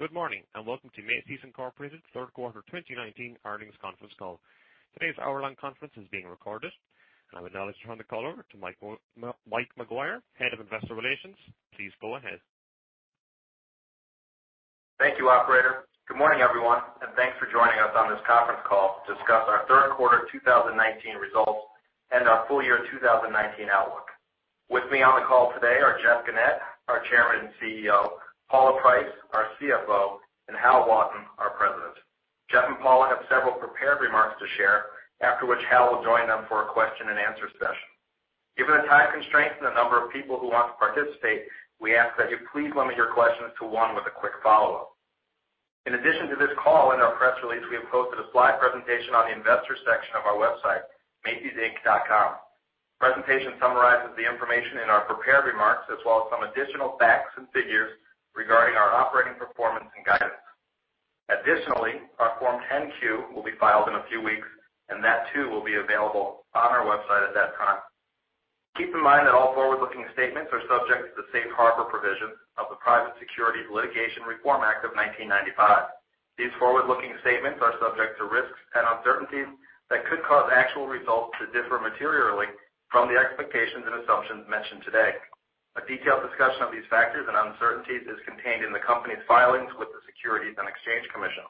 Good morning, welcome to Macy's, Inc. Third Quarter 2019 Earnings Conference Call. Today's hour-long conference is being recorded. I would now like to turn the call over to Mike McGuire, Head of Investor Relations. Please go ahead. Thank you, operator. Good morning, everyone, and thanks for joining us on this conference call to discuss our third quarter 2019 results and our full year 2019 outlook. With me on the call today are Jeff Gennette, our Chairman and CEO, Paula Price, our CFO, and Hal Lawton, our President. Jeff and Paula have several prepared remarks to share, after which Hal will join them for a question and answer session. Given the time constraints and the number of people who want to participate, we ask that you please limit your questions to one with a quick follow-up. In addition to this call and our press release, we have posted a slide presentation on the investor section of our website, macysinc.com. The presentation summarizes the information in our prepared remarks, as well as some additional facts and figures regarding our operating performance and guidance. Additionally, our Form 10-Q will be filed in a few weeks, and that too will be available on our website at that time. Keep in mind that all forward-looking statements are subject to the safe harbor provision of the Private Securities Litigation Reform Act of 1995. These forward-looking statements are subject to risks and uncertainties that could cause actual results to differ materially from the expectations and assumptions mentioned today. A detailed discussion of these factors and uncertainties is contained in the company's filings with the Securities and Exchange Commission.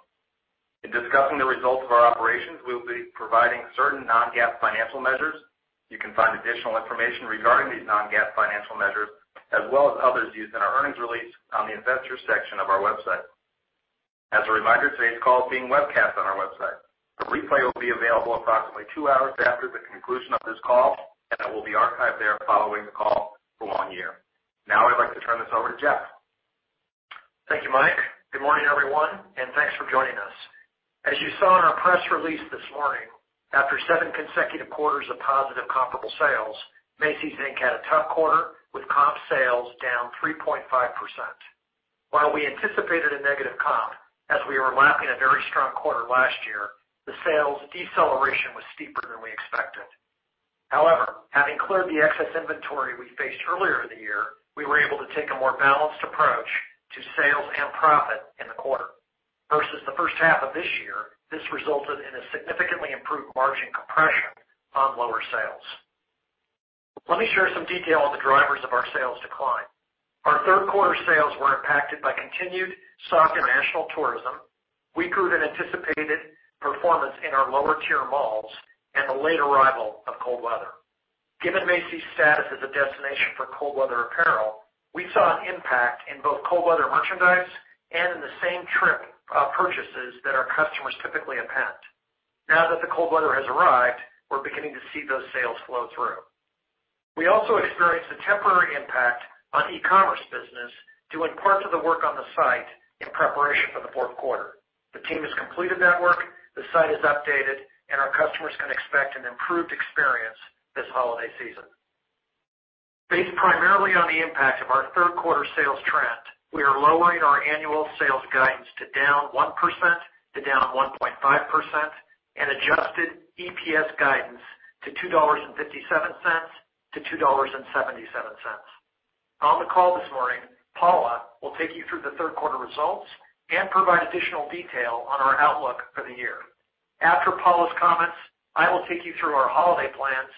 In discussing the results of our operations, we will be providing certain non-GAAP financial measures. You can find additional information regarding these non-GAAP financial measures, as well as others used in our earnings release, on the investor section of our website. As a reminder, today's call is being webcast on our website. A replay will be available approximately two hours after the conclusion of this call, and it will be archived there following the call for one year. Now, I'd like to turn this over to Jeff. Thank you, Mike. Good morning, everyone, and thanks for joining us. As you saw in our press release this morning, after seven consecutive quarters of positive comparable sales, Macy's, Inc. had a tough quarter, with comp sales down 3.5%. While we anticipated a negative comp as we were lapping a very strong quarter last year, the sales deceleration was steeper than we expected. However, having cleared the excess inventory we faced earlier in the year, we were able to take a more balanced approach to sales and profit in the quarter. Versus the first half of this year, this resulted in a significantly improved margin compression on lower sales. Let me share some detail on the drivers of our sales decline. Our third quarter sales were impacted by continued soft international tourism. We grew and anticipated performance in our lower-tier malls and the late arrival of cold weather. Given Macy's status as a destination for cold weather apparel, we saw an impact in both cold weather merchandise and in the same-trip purchases that our customers typically append. Now that the cold weather has arrived, we're beginning to see those sales flow through. We also experienced a temporary impact on e-commerce business, doing parts of the work on the site in preparation for the fourth quarter. The team has completed that work, the site is updated, and our customers can expect an improved experience this holiday season. Based primarily on the impact of our third quarter sales trend, we are lowering our annual sales guidance to down 1%-1.5% and adjusted EPS guidance to $2.57-$2.77. On the call this morning, Paula will take you through the third quarter results and provide additional detail on our outlook for the year. After Paula's comments, I will take you through our holiday plans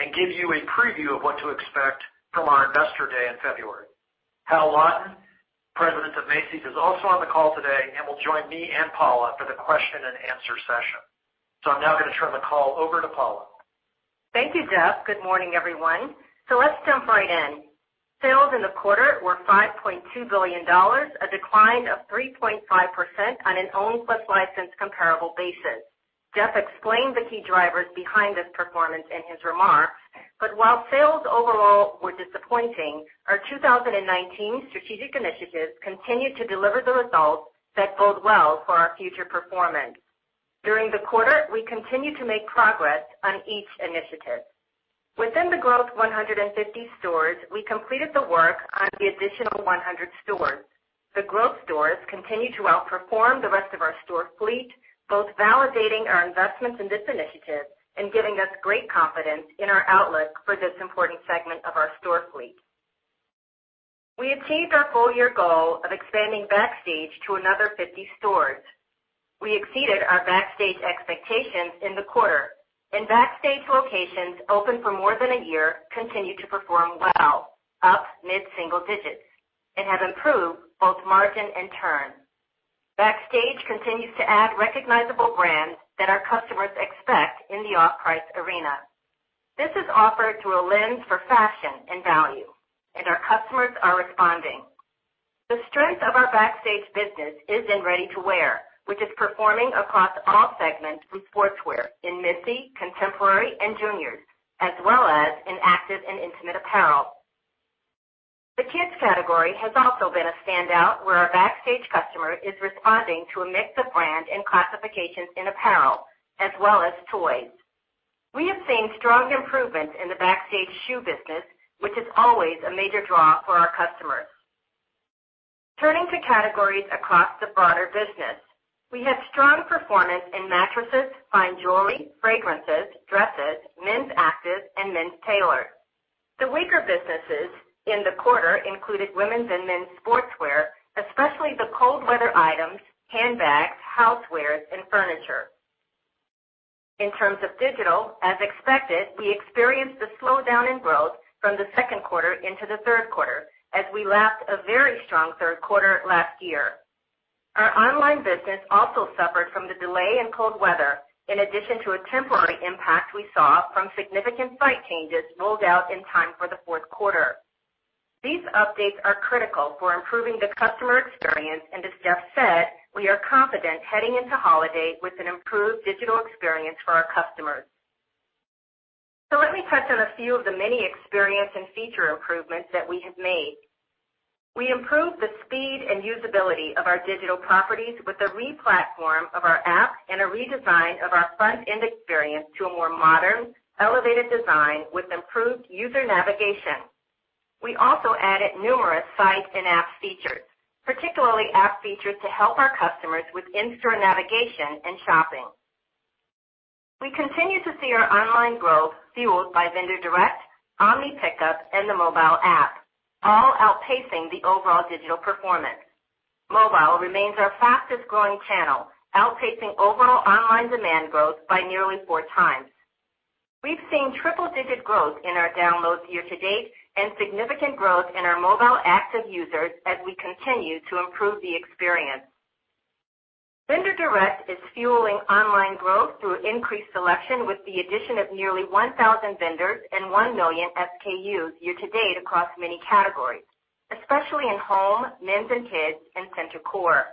and give you a preview of what to expect from our investor day in February. Hal Lawton, President of Macy's, is also on the call today and will join me and Paula for the question and answer session. I'm now going to turn the call over to Paula. Thank you, Jeff. Good morning, everyone. Let's jump right in. Sales in the quarter were $5.2 billion, a decline of 3.5% on an owned plus licensed comparable basis. Jeff explained the key drivers behind this performance in his remarks, but while sales overall were disappointing, our 2019 strategic initiatives continued to deliver the results that bode well for our future performance. During the quarter, we continued to make progress on each initiative. Within the Growth 150 stores, we completed the work on the additional 100 stores. The growth stores continue to outperform the rest of our store fleet, both validating our investments in this initiative and giving us great confidence in our outlook for this important segment of our store fleet. We achieved our full-year goal of expanding Backstage to another 50 stores. We exceeded our Backstage expectations in the quarter, and Backstage locations open for more than one year continue to perform well, up mid-single digits, and have improved both margin and turn. Backstage continues to add recognizable brands that our customers expect in the off-price arena. This is offered through a lens for fashion and value, and our customers are responding. The strength of our Backstage business is in ready-to-wear, which is performing across all segments in sportswear, in Missy, contemporary, and juniors, as well as in active and intimate apparel. The kids category has also been a standout, where our Backstage customer is responding to a mix of brand and classifications in apparel as well as toys. We have seen strong improvements in the Backstage shoe business, which is always a major draw for our customers. Turning to categories across the broader business, we had strong performance in mattresses, fine jewelry, fragrances, dresses, men's active, and men's tailored. The weaker businesses in the quarter included women's and men's sportswear, especially the cold weather items, handbags, housewares, and furniture. In terms of digital, as expected, we experienced a slowdown in growth from the second quarter into the third quarter as we lapped a very strong third quarter last year. Our online business also suffered from the delay in cold weather, in addition to a temporary impact we saw from significant site changes rolled out in time for the fourth quarter. These updates are critical for improving the customer experience, and as Jeff said, we are confident heading into holiday with an improved digital experience for our customers. Let me touch on a few of the many experience and feature improvements that we have made. We improved the speed and usability of our digital properties with the re-platform of our app and a redesign of our front-end experience to a more modern, elevated design with improved user navigation. We also added numerous site and app features, particularly app features, to help our customers with in-store navigation and shopping. We continue to see our online growth fueled by vendor-direct, omni-pickup, and the mobile app, all outpacing the overall digital performance. Mobile remains our fastest-growing channel, outpacing overall online demand growth by nearly four times. We've seen triple-digit growth in our downloads year-to-date and significant growth in our mobile active users as we continue to improve the experience. Vendor-direct is fueling online growth through increased selection, with the addition of nearly 1,000 vendors and one million SKUs year-to-date across many categories, especially in home, men's and kids, and center core.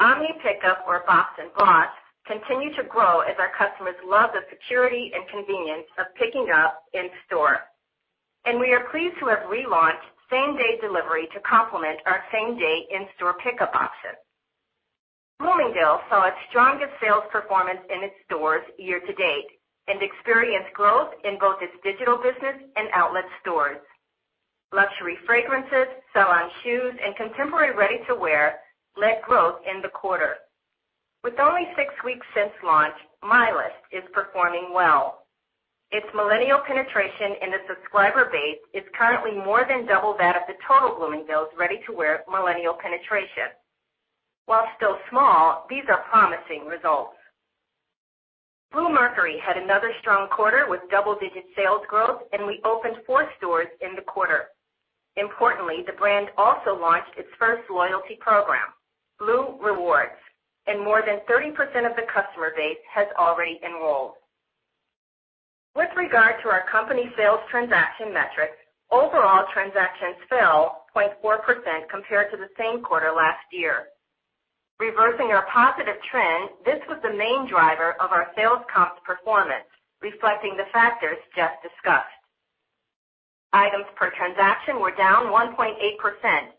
Omni-pickup or BOPIS and BOSS continue to grow as our customers love the security and convenience of picking up in store. We are pleased to have relaunched same-day delivery to complement our same-day in-store pickup option. Bloomingdale's saw its strongest sales performance in its stores year-to-date and experienced growth in both its digital business and outlet stores. Luxury fragrances, salon shoes, and contemporary ready-to-wear led growth in the quarter. With only six weeks since launch, MyList is performing well. Its millennial penetration in the subscriber base is currently more than double that of the total Bloomingdale's ready-to-wear millennial penetration. While still small, these are promising results. Bluemercury had another strong quarter with double-digit sales growth, and we opened four stores in the quarter. Importantly, the brand also launched its first loyalty program, BlueRewards, and more than 30% of the customer base has already enrolled. With regard to our company sales transaction metrics, overall transactions fell 0.4% compared to the same quarter last year. Reversing our positive trend, this was the main driver of our sales comp performance, reflecting the factors just discussed. Items per transaction were down 1.8%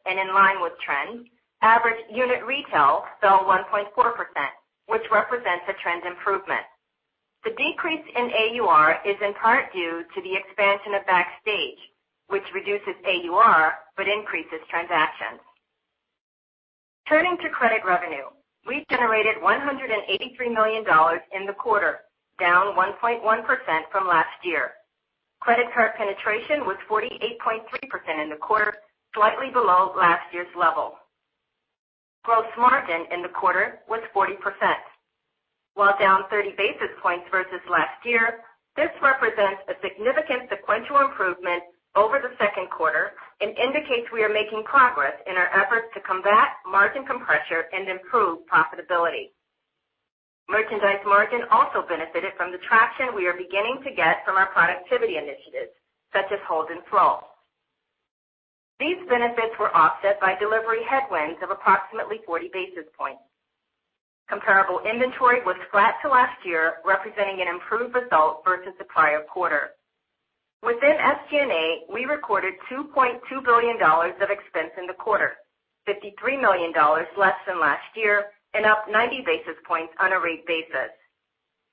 and in line with trends. Average unit retail fell 1.4%, which represents a trend improvement. The decrease in AUR is in part due to the expansion of Backstage, which reduces AUR but increases transactions. Turning to credit revenue, we generated $183 million in the quarter, down 1.1% from last year. Credit card penetration was 48.3% in the quarter, slightly below last year's level. Gross margin in the quarter was 40%. While down 30 basis points versus last year, this represents a significant sequential improvement over the second quarter and indicates we are making progress in our efforts to combat margin compression and improve profitability. Merchandise margin also benefited from the traction we are beginning to get from our productivity initiatives, such as hold and flow. These benefits were offset by delivery headwinds of approximately 40 basis points. Comparable inventory was flat to last year, representing an improved result versus the prior quarter. Within SG&A, we recorded $2.2 billion of expense in the quarter, $53 million less than last year and up 90 basis points on a rate basis.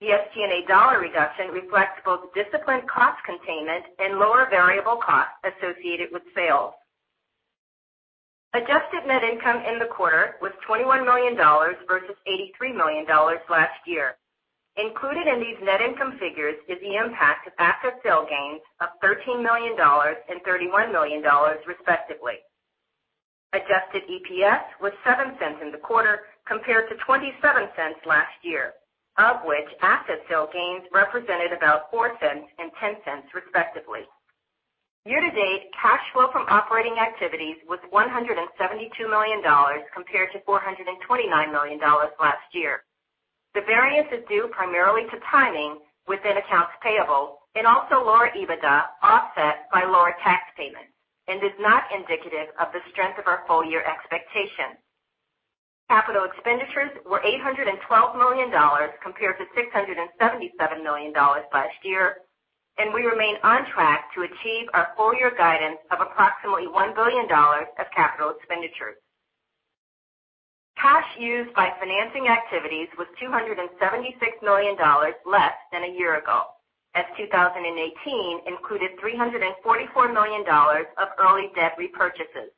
The SG&A dollar reduction reflects both disciplined cost containment and lower variable costs associated with sales. Adjusted net income in the quarter was $21 million versus $83 million last year. Included in these net income figures is the impact of asset sale gains of $13 million and $31 million, respectively. Adjusted EPS was $0.07 in the quarter compared to $0.27 last year, of which asset sale gains represented about $0.04 and $0.10, respectively. Year-to-date, cash flow from operating activities was $172 million, compared to $429 million last year. The variance is due primarily to timing within accounts payable and also lower EBITDA, offset by lower tax payments and is not indicative of the strength of our full-year expectations. Capital expenditures were $812 million, compared to $677 million last year, and we remain on track to achieve our full-year guidance of approximately $1 billion of capital expenditures. Cash used by financing activities was $276 million less than a year ago, as 2018 included $344 million of early debt repurchases.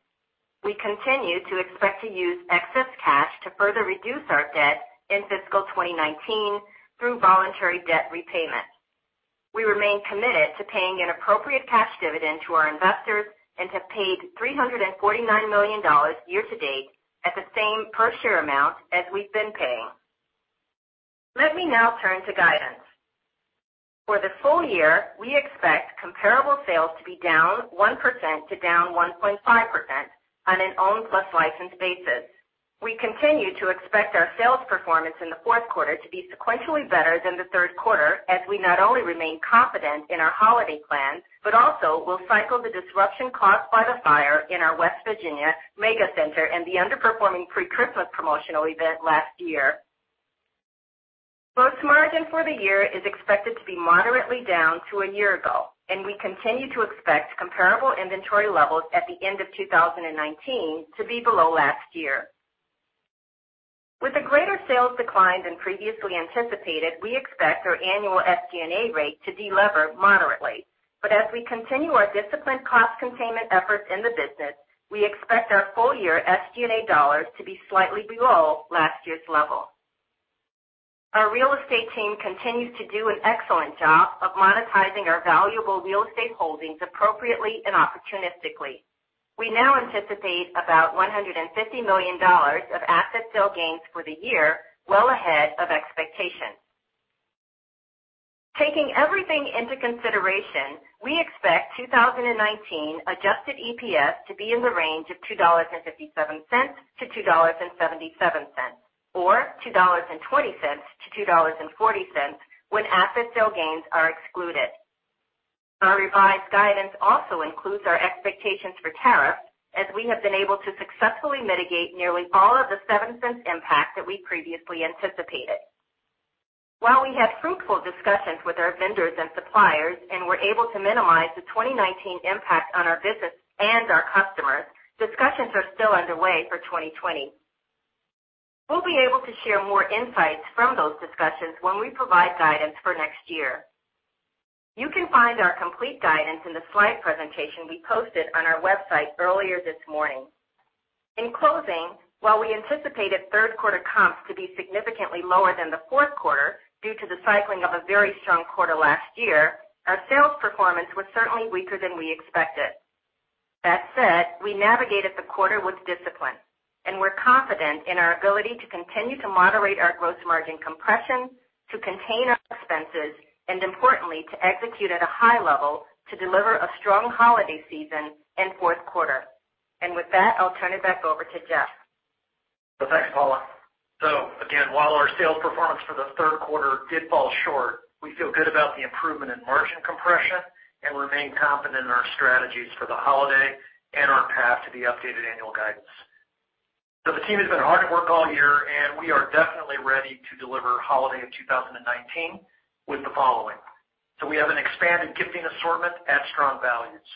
We continue to expect to use excess cash to further reduce our debt in fiscal 2019 through voluntary debt repayment. We remain committed to paying an appropriate cash dividend to our investors and have paid $349 million year-to-date at the same per share amount as we've been paying. Let me now turn to guidance. For the full year, we expect comparable sales to be down 1%-1.5% on an owned plus licensed basis. We continue to expect our sales performance in the fourth quarter to be sequentially better than the third quarter, as we not only remain confident in our holiday plans, but also will cycle the disruption caused by the fire in our West Virginia mega center and the underperforming pre-Christmas promotional event last year. Gross margin for the year is expected to be moderately down to a year ago, and we continue to expect comparable inventory levels at the end of 2019 to be below last year. With a greater sales decline than previously anticipated, we expect our annual SG&A rate to delever moderately. As we continue our disciplined cost containment efforts in the business, we expect our full year SG&A dollars to be slightly below last year's level. Our real estate team continues to do an excellent job of monetizing our valuable real estate holdings appropriately and opportunistically. We now anticipate about $150 million of asset sale gains for the year, well ahead of expectations. Taking everything into consideration, we expect 2019 adjusted EPS to be in the range of $2.57-$2.77, or $2.20-$2.40 when asset sale gains are excluded. Our revised guidance also includes our expectations for tariff, as we have been able to successfully mitigate nearly all of the $0.07 impact that we previously anticipated. While we had fruitful discussions with our vendors and suppliers and were able to minimize the 2019 impact on our business and our customers, discussions are still underway for 2020. We'll be able to share more insights from those discussions when we provide guidance for next year. You can find our complete guidance in the slide presentation we posted on our website earlier this morning. In closing, while we anticipated third quarter comps to be significantly lower than the fourth quarter due to the cycling of a very strong quarter last year, our sales performance was certainly weaker than we expected. That said, we navigated the quarter with discipline. We're confident in our ability to continue to moderate our gross margin compression, to contain our expenses, and importantly, to execute at a high level to deliver a strong holiday season and fourth quarter. With that, I'll turn it back over to Jeff. Thanks, Paula. Again, while our sales performance for the third quarter did fall short, we feel good about the improvement in margin compression and remain confident in our strategies for the Holiday and our path to the updated annual guidance. The team has been hard at work all year, and we are definitely ready to deliver Holiday of 2019 with the following. We have an expanded gifting assortment at strong values.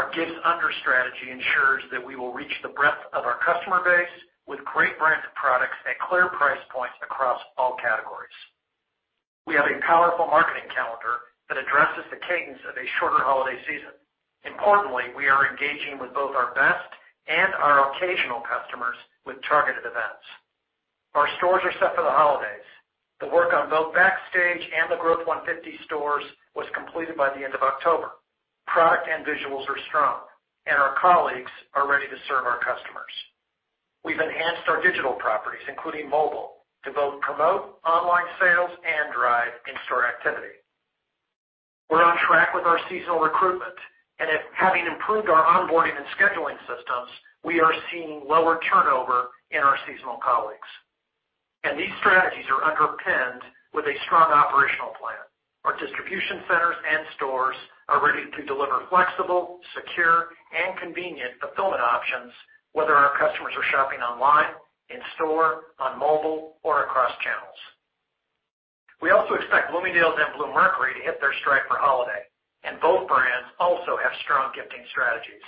Our gifts under strategy ensures that we will reach the breadth of our customer base with great brands and products at clear price points across all categories. We have a powerful marketing calendar that addresses the cadence of a shorter Holiday season. Importantly, we are engaging with both our best and our occasional customers with targeted events. Our stores are set for the Holidays. The work on both Backstage and the Growth 150 stores was completed by the end of October. Product and visuals are strong, and our colleagues are ready to serve our customers. We've enhanced our digital properties, including mobile, to both promote online sales and drive in-store activity. We're on track with our seasonal recruitment and having improved our onboarding and scheduling systems, we are seeing lower turnover in our seasonal colleagues. These strategies are underpinned with a strong operational plan. Our distribution centers and stores are ready to deliver flexible, secure, and convenient fulfillment options, whether our customers are shopping online, in store, on mobile, or across channels. We also expect Bloomingdale's and Bluemercury to hit their stride for holiday, both brands also have strong gifting strategies.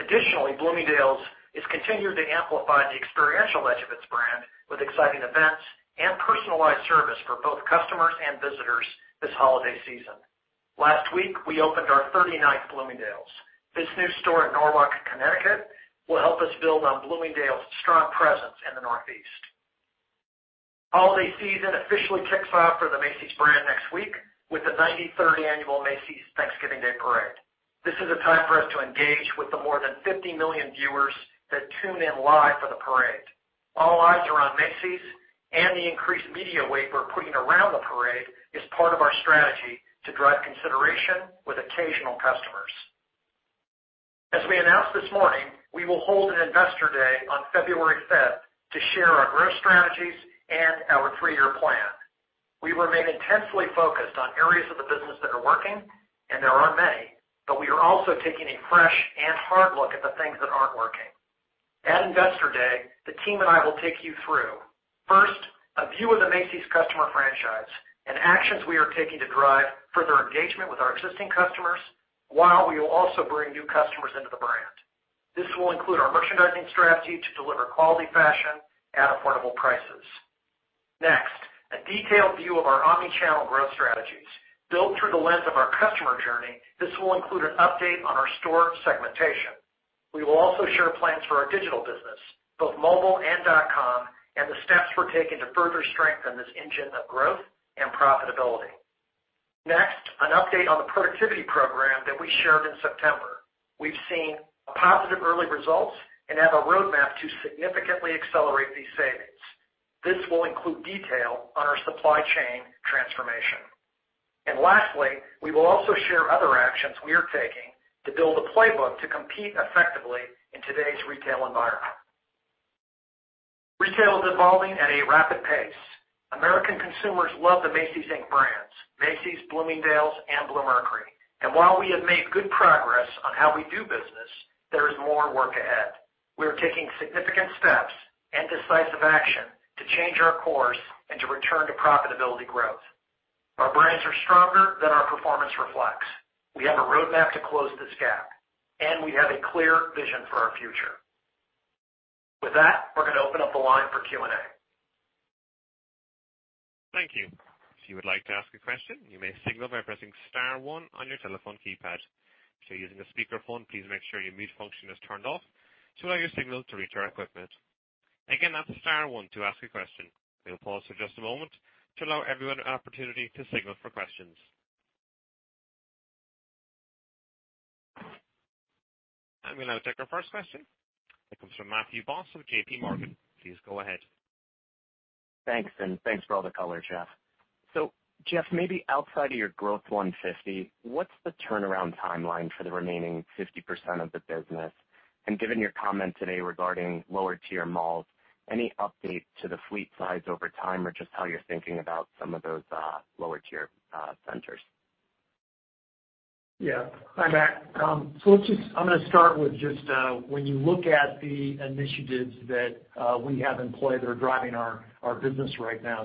Additionally, Bloomingdale's is continuing to amplify the experiential edge of its brand with exciting events and personalized service for both customers and visitors this holiday season. Last week, we opened our 39th Bloomingdale's. This new store in Norwalk, Connecticut, will help us build on Bloomingdale's strong presence in the Northeast. Holiday season officially kicks off for the Macy's brand next week with the 93rd annual Macy's Thanksgiving Day Parade. This is a time for us to engage with the more than 50 million viewers that tune in live for the parade. All eyes are on Macy's, and the increased media weight we're putting around the parade is part of our strategy to drive consideration with occasional customers. As we announced this morning, we will hold an Investor Day on February 5th to share our growth strategies and our three-year plan. We remain intensely focused on areas of the business that are working, and there aren't many, but we are also taking a fresh and hard look at the things that aren't working. At Investor Day, the team and I will take you through, first, a view of the Macy's customer franchise and actions we are taking to drive further engagement with our existing customers, while we will also bring new customers into the brand. This will include our merchandising strategy to deliver quality fashion at affordable prices. Next, a detailed view of our omni-channel growth strategies. Built through the lens of our customer journey, this will include an update on our store segmentation. We will also share plans for our digital business, both mobile and .com, and the steps we're taking to further strengthen this engine of growth and profitability. An update on the productivity program that we shared in September. We've seen positive early results and have a roadmap to significantly accelerate these savings. This will include detail on our supply chain transformation. Lastly, we will also share other actions we are taking to build a playbook to compete effectively in today's retail environment. Retail is evolving at a rapid pace. American consumers love the Macy's, Inc. brands, Macy's, Bloomingdale's, and Bluemercury. While we have made good progress on how we do business, there is more work ahead. We are taking significant steps and decisive action to change our course and to return to profitability growth. Our brands are stronger than our performance reflects. We have a roadmap to close this gap, and we have a clear vision for our future. With that, we're going to open up the line for Q&A. Thank you. If you would like to ask a question, you may signal by pressing star one on your telephone keypad. If you're using a speakerphone, please make sure your mute function is turned off to allow your signal to reach our equipment. Again, that's star one to ask a question. We'll pause for just a moment to allow everyone an opportunity to signal for questions. We'll now take our first question. It comes from Matthew Boss of JPMorgan. Please go ahead. Thanks, and thanks for all the color, Jeff. Jeff, maybe outside of your Growth 150, what's the turnaround timeline for the remaining 50% of the business? Given your comment today regarding lower-tier malls, any update to the fleet size over time, or just how you're thinking about some of those lower-tier centers? Hi, Matt. I'm going to start with just when you look at the initiatives that we have in play that are driving our business right now.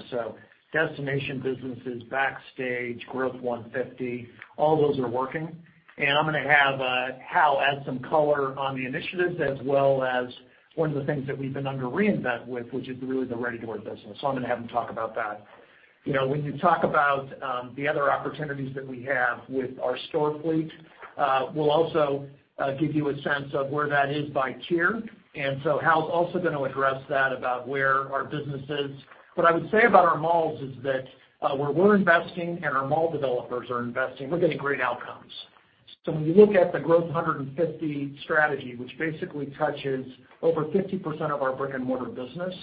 Destination businesses, Backstage, Growth 150, all those are working. I'm going to have Hal add some color on the initiatives as well as one of the things that we've been under Reinvent with, which is really the ready-to-wear business. I'm going to have him talk about that. When you talk about the other opportunities that we have with our store fleet, we'll also give you a sense of where that is by tier. Hal's also going to address that about where our business is. What I would say about our malls is that where we're investing and our mall developers are investing, we're getting great outcomes. When you look at the Growth 150 strategy, which basically touches over 50% of our brick-and-mortar business,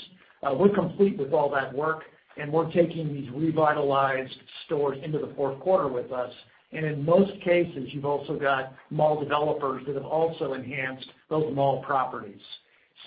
we're complete with all that work, and we're taking these revitalized stores into the fourth quarter with us. In most cases, you've also got mall developers that have also enhanced those mall properties.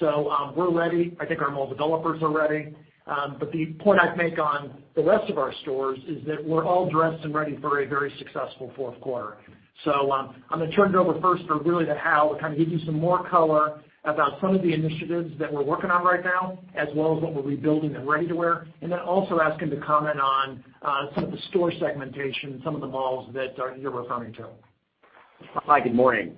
We're ready. I think our mall developers are ready. The point I'd make on the rest of our stores is that we're all dressed and ready for a very successful fourth quarter. I'm going to turn it over first to Hal to kind of give you some more color about some of the initiatives that we're working on right now, as well as what we'll be building in ready-to-wear, and then also ask him to comment on some of the store segmentation, some of the malls that you're referring to. Hi, good morning.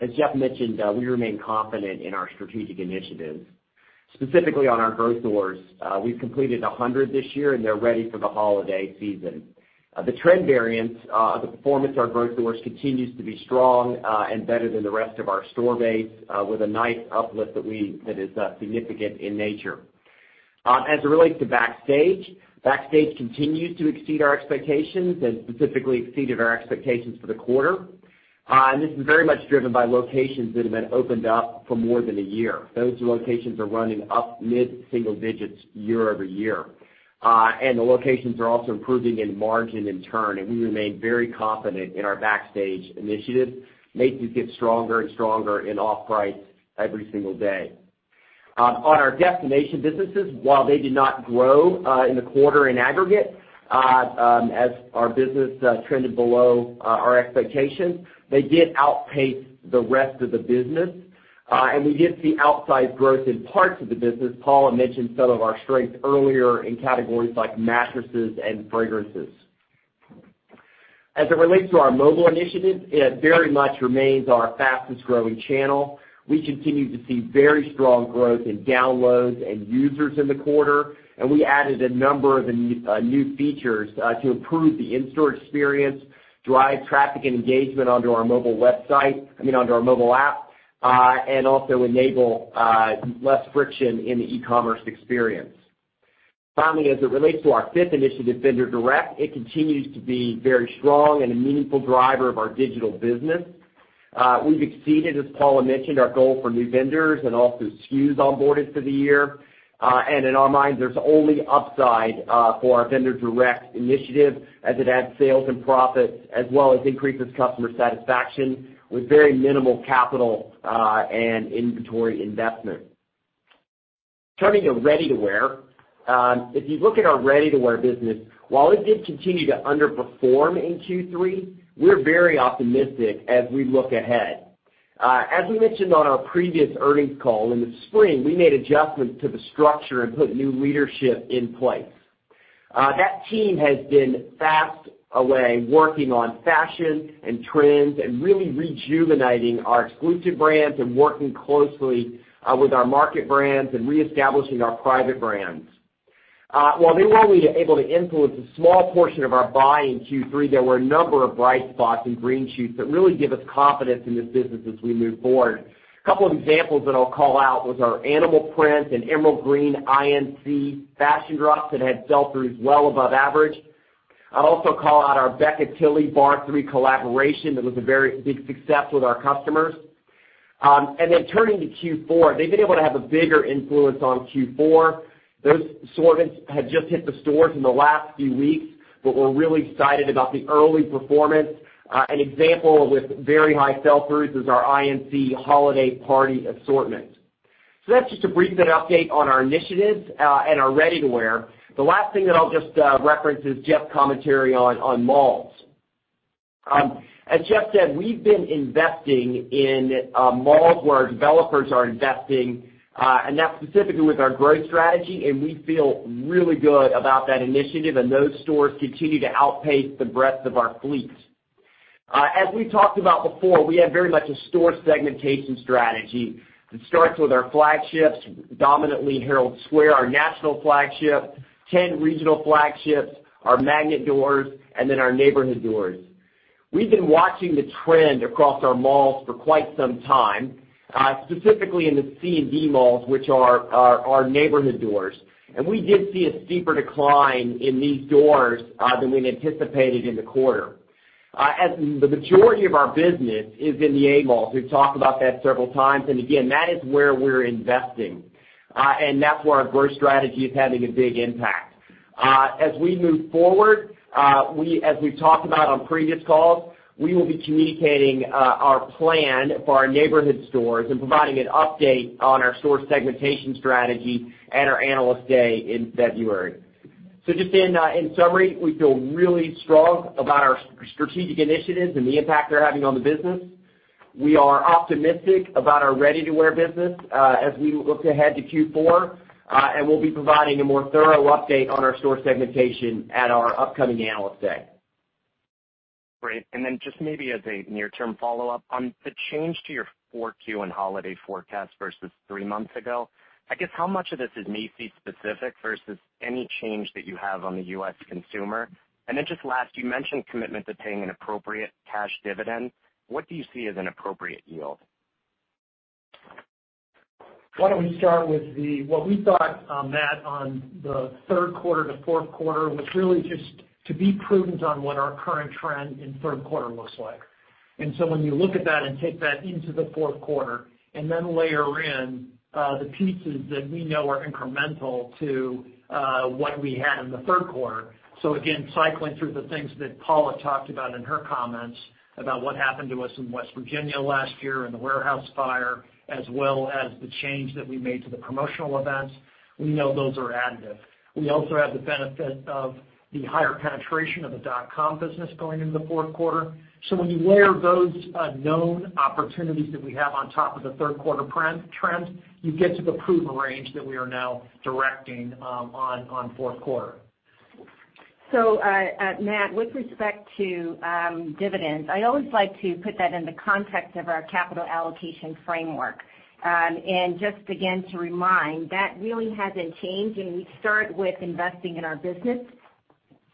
As Jeff mentioned, we remain confident in our strategic initiatives. Specifically on our growth stores, we've completed 100 this year, they're ready for the holiday season. The trend variance of the performance of our growth stores continues to be strong and better than the rest of our store base with a nice uplift that is significant in nature. As it relates to Backstage continues to exceed our expectations and specifically exceeded our expectations for the quarter. This is very much driven by locations that have been opened up for more than a year. Those locations are running up mid-single digits year-over-year. The locations are also improving in margin and turn, and we remain very confident in our Backstage initiative. Macy's gets stronger and stronger in off price every single day. On our Destination businesses, while they did not grow in the quarter in aggregate as our business trended below our expectations, they did outpace the rest of the business. We did see outsized growth in parts of the business. Paula mentioned some of our strengths earlier in categories like mattresses and fragrances. As it relates to our mobile initiatives, it very much remains our fastest-growing channel. We continue to see very strong growth in downloads and users in the quarter, and we added a number of new features to improve the in-store experience, drive traffic and engagement onto our mobile app, and also enable less friction in the e-commerce experience. Finally, as it relates to our fifth initiative, Vendor Direct, it continues to be very strong and a meaningful driver of our digital business. We've exceeded, as Paula mentioned, our goal for new vendors and also SKUs onboarded for the year. In our minds, there's only upside for our vendor-direct initiative as it adds sales and profits as well as increases customer satisfaction with very minimal capital and inventory investment. Turning to ready-to-wear. If you look at our ready-to-wear business, while it did continue to underperform in Q3, we're very optimistic as we look ahead. As we mentioned on our previous earnings call, in the spring, we made adjustments to the structure and put new leadership in place. That team has been fast away working on fashion and trends and really rejuvenating our exclusive brands and working closely with our market brands and reestablishing our private brands. While they were only able to influence a small portion of our buy in Q3, there were a number of bright spots and green shoots that really give us confidence in this business as we move forward. A couple of examples that I'll call out was our animal print and emerald green I.N.C. fashion dress that had sell-throughs well above average. I'll also call out our Becca Tilley bar III collaboration that was a very big success with our customers. Turning to Q4, they've been able to have a bigger influence on Q4. Those assortments have just hit the stores in the last few weeks, we're really excited about the early performance. An example with very high sell-throughs is our I.N.C. holiday party assortment. That's just a brief update on our initiatives and our ready-to-wear. The last thing that I'll just reference is Jeff's commentary on malls. As Jeff said, we've been investing in malls where our developers are investing. That's specifically with our growth strategy. We feel really good about that initiative. Those stores continue to outpace the breadth of our fleet. As we talked about before, we have very much a store segmentation strategy that starts with our flagships, dominantly Herald Square, our national flagship, 10 regional flagships, our magnet doors, then our neighborhood doors. We've been watching the trend across our malls for quite some time, specifically in the C and D malls, which are our neighborhood doors. We did see a steeper decline in these doors than we'd anticipated in the quarter. As the majority of our business is in the A malls, we've talked about that several times. Again, that is where we're investing. That's where our growth strategy is having a big impact. As we move forward, as we've talked about on previous calls, we will be communicating our plan for our neighborhood stores and providing an update on our store segmentation strategy at our Analyst Day in February. Just in summary, we feel really strong about our strategic initiatives and the impact they're having on the business. We are optimistic about our ready-to-wear business as we look ahead to Q4. We'll be providing a more thorough update on our store segmentation at our upcoming Analyst Day. Great. Just maybe as a near-term follow-up, on the change to your 4Q and holiday forecast versus three months ago, I guess how much of this is Macy's specific versus any change that you have on the U.S. consumer? Just last, you mentioned commitment to paying an appropriate cash dividend. What do you see as an appropriate yield? Why don't we start with what we thought, Matt, on the third quarter to fourth quarter was really just to be prudent on what our current trend in third quarter looks like. When you look at that and take that into the fourth quarter and then layer in the pieces that we know are incremental to what we had in the third quarter. Again, cycling through the things that Paula talked about in her comments about what happened to us in West Virginia last year and the warehouse fire, as well as the change that we made to the promotional events. We know those are additive. We also have the benefit of the higher penetration of the .com business going into the fourth quarter. When you layer those known opportunities that we have on top of the third quarter trends, you get to the proven range that we are now directing on fourth quarter. Matt, with respect to dividends, I always like to put that in the context of our capital allocation framework. Just again, to remind, that really hasn't changed. We start with investing in our business.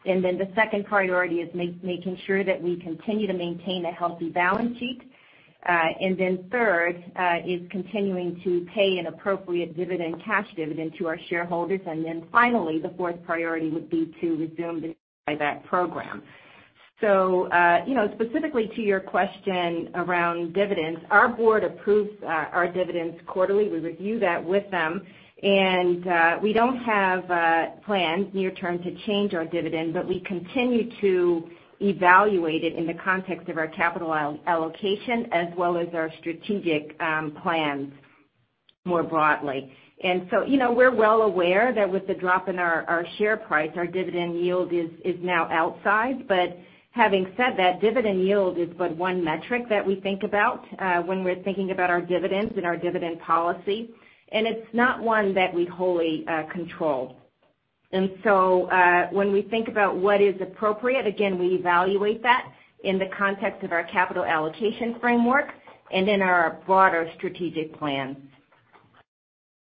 Then the second priority is making sure that we continue to maintain a healthy balance sheet. Then third is continuing to pay an appropriate dividend, cash dividend to our shareholders. Then finally, the fourth priority would be to resume the buyback program. Specifically to your question around dividends, our board approves our dividends quarterly. We review that with them. We don't have plans near-term to change our dividend, but we continue to evaluate it in the context of our capital allocation as well as our strategic plans more broadly. We're well aware that with the drop in our share price, our dividend yield is now outsized. Having said that, dividend yield is but one metric that we think about when we're thinking about our dividends and our dividend policy. It's not one that we wholly control. When we think about what is appropriate, again, we evaluate that in the context of our capital allocation framework and in our broader strategic plans.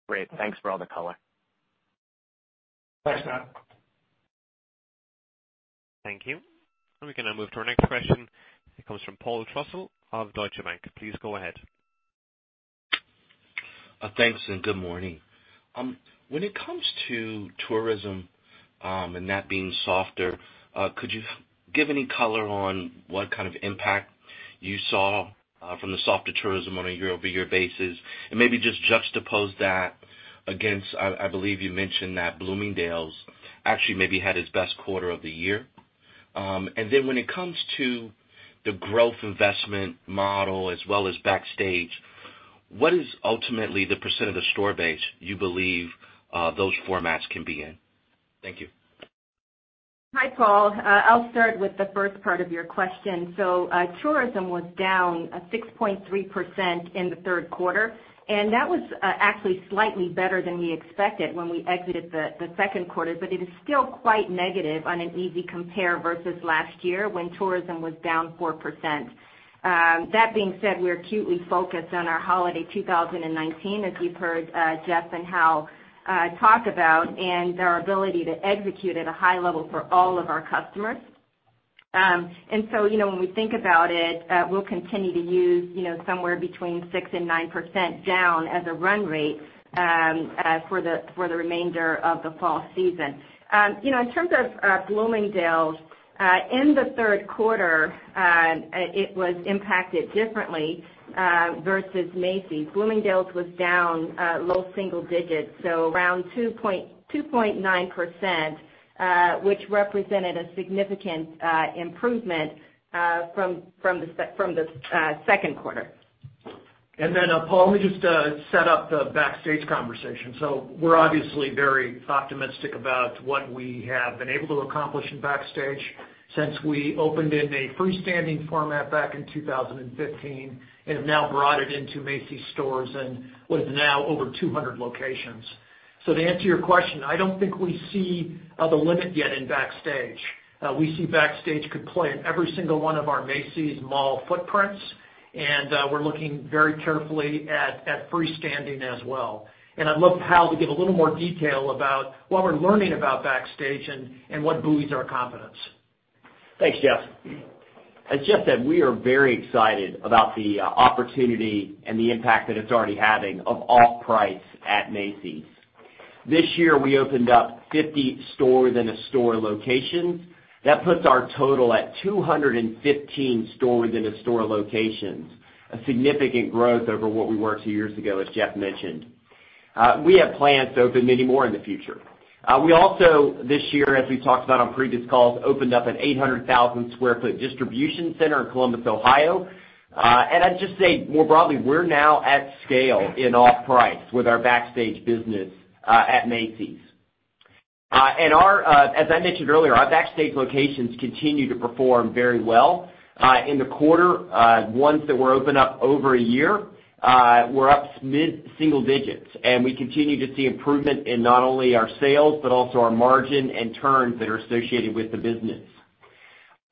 Great. Thanks for all the color. Thanks, Matt. Thank you. We can now move to our next question. It comes from Paul Trussell of Deutsche Bank. Please go ahead. Thanks, good morning. When it comes to tourism and that being softer, could you give any color on what kind of impact you saw from the softer tourism on a year-over-year basis? Maybe just juxtapose that against, I believe you mentioned that Bloomingdale's actually maybe had its best quarter of the year. When it comes to the growth investment model as well as Backstage, what is ultimately the % of the store base you believe those formats can be in? Thank you. Hi, Paul. I'll start with the first part of your question. Tourism was down 6.3% in the third quarter, and that was actually slightly better than we expected when we exited the second quarter. It is still quite negative on an easy compare versus last year, when tourism was down 4%. That being said, we are acutely focused on our holiday 2019, as you've heard Jeff and Hal talk about, and our ability to execute at a high level for all of our customers. When we think about it, we'll continue to use somewhere between 6% and 9% down as a run rate for the remainder of the fall season. In terms of Bloomingdale's, in the third quarter, it was impacted differently versus Macy's. Bloomingdale's was down low single digits, so around 2.9%, which represented a significant improvement from the second quarter. Paul, let me just set up the Backstage conversation. We're obviously very optimistic about what we have been able to accomplish in Backstage since we opened in a freestanding format back in 2015 and have now brought it into Macy's stores and with now over 200 locations. To answer your question, I don't think we see the limit yet in Backstage. We see Backstage could play in every single one of our Macy's mall footprints, and we're looking very carefully at freestanding as well. I'd love Hal to give a little more detail about what we're learning about Backstage and what buoys our confidence. Thanks, Jeff. As Jeff said, we are very excited about the opportunity and the impact that it's already having of off-price at Macy's. This year, we opened up 50 store-within-a-store locations. That puts our total at 215 store-within-a-store locations, a significant growth over what we were two years ago, as Jeff mentioned. We have plans to open many more in the future. We also, this year, as we've talked about on previous calls, opened up an 800,000 square foot distribution center in Columbus, Ohio. I'd just say, more broadly, we're now at scale in off-price with our Backstage business at Macy's. As I mentioned earlier, our Backstage locations continue to perform very well. In the quarter, ones that were opened up over a year, were up mid-single digits. We continue to see improvement in not only our sales, but also our margin and turns that are associated with the business.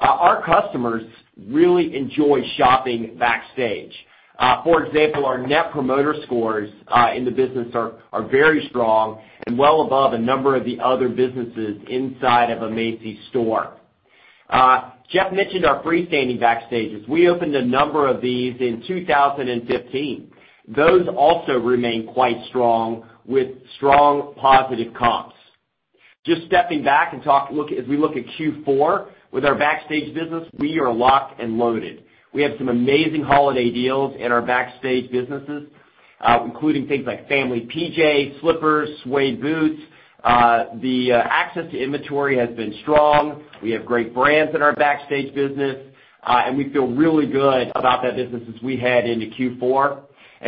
Our customers really enjoy shopping Backstage. For example, our Net Promoter Scores in the business are very strong and well above a number of the other businesses inside of a Macy's store. Jeff mentioned our freestanding Backstages. We opened a number of these in 2015. Those also remain quite strong with strong positive comps. Just stepping back and as we look at Q4 with our Backstage business, we are locked and loaded. We have some amazing holiday deals in our Backstage businesses, including things like family PJ, slippers, suede boots. The access to inventory has been strong. We have great brands in our Backstage business. We feel really good about that business as we head into Q4.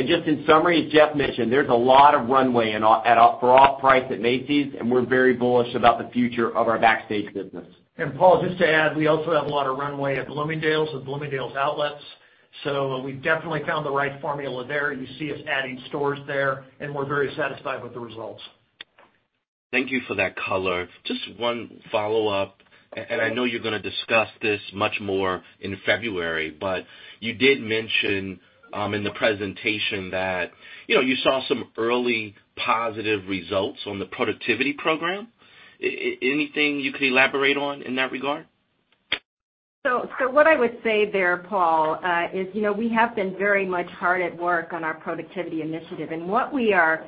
Just in summary, as Jeff mentioned, there's a lot of runway for off-price at Macy's, and we're very bullish about the future of our Backstage business. Paul, just to add, we also have a lot of runway at Bloomingdale's, at Bloomingdale's outlets. We've definitely found the right formula there. You see us adding stores there, and we're very satisfied with the results. Thank you for that color. Just one follow-up, and I know you're going to discuss this much more in February, but you did mention in the presentation that you saw some early positive results on the productivity program. Anything you could elaborate on in that regard? What I would say there, Paul, is we have been very much hard at work on our Productivity Initiative. What we are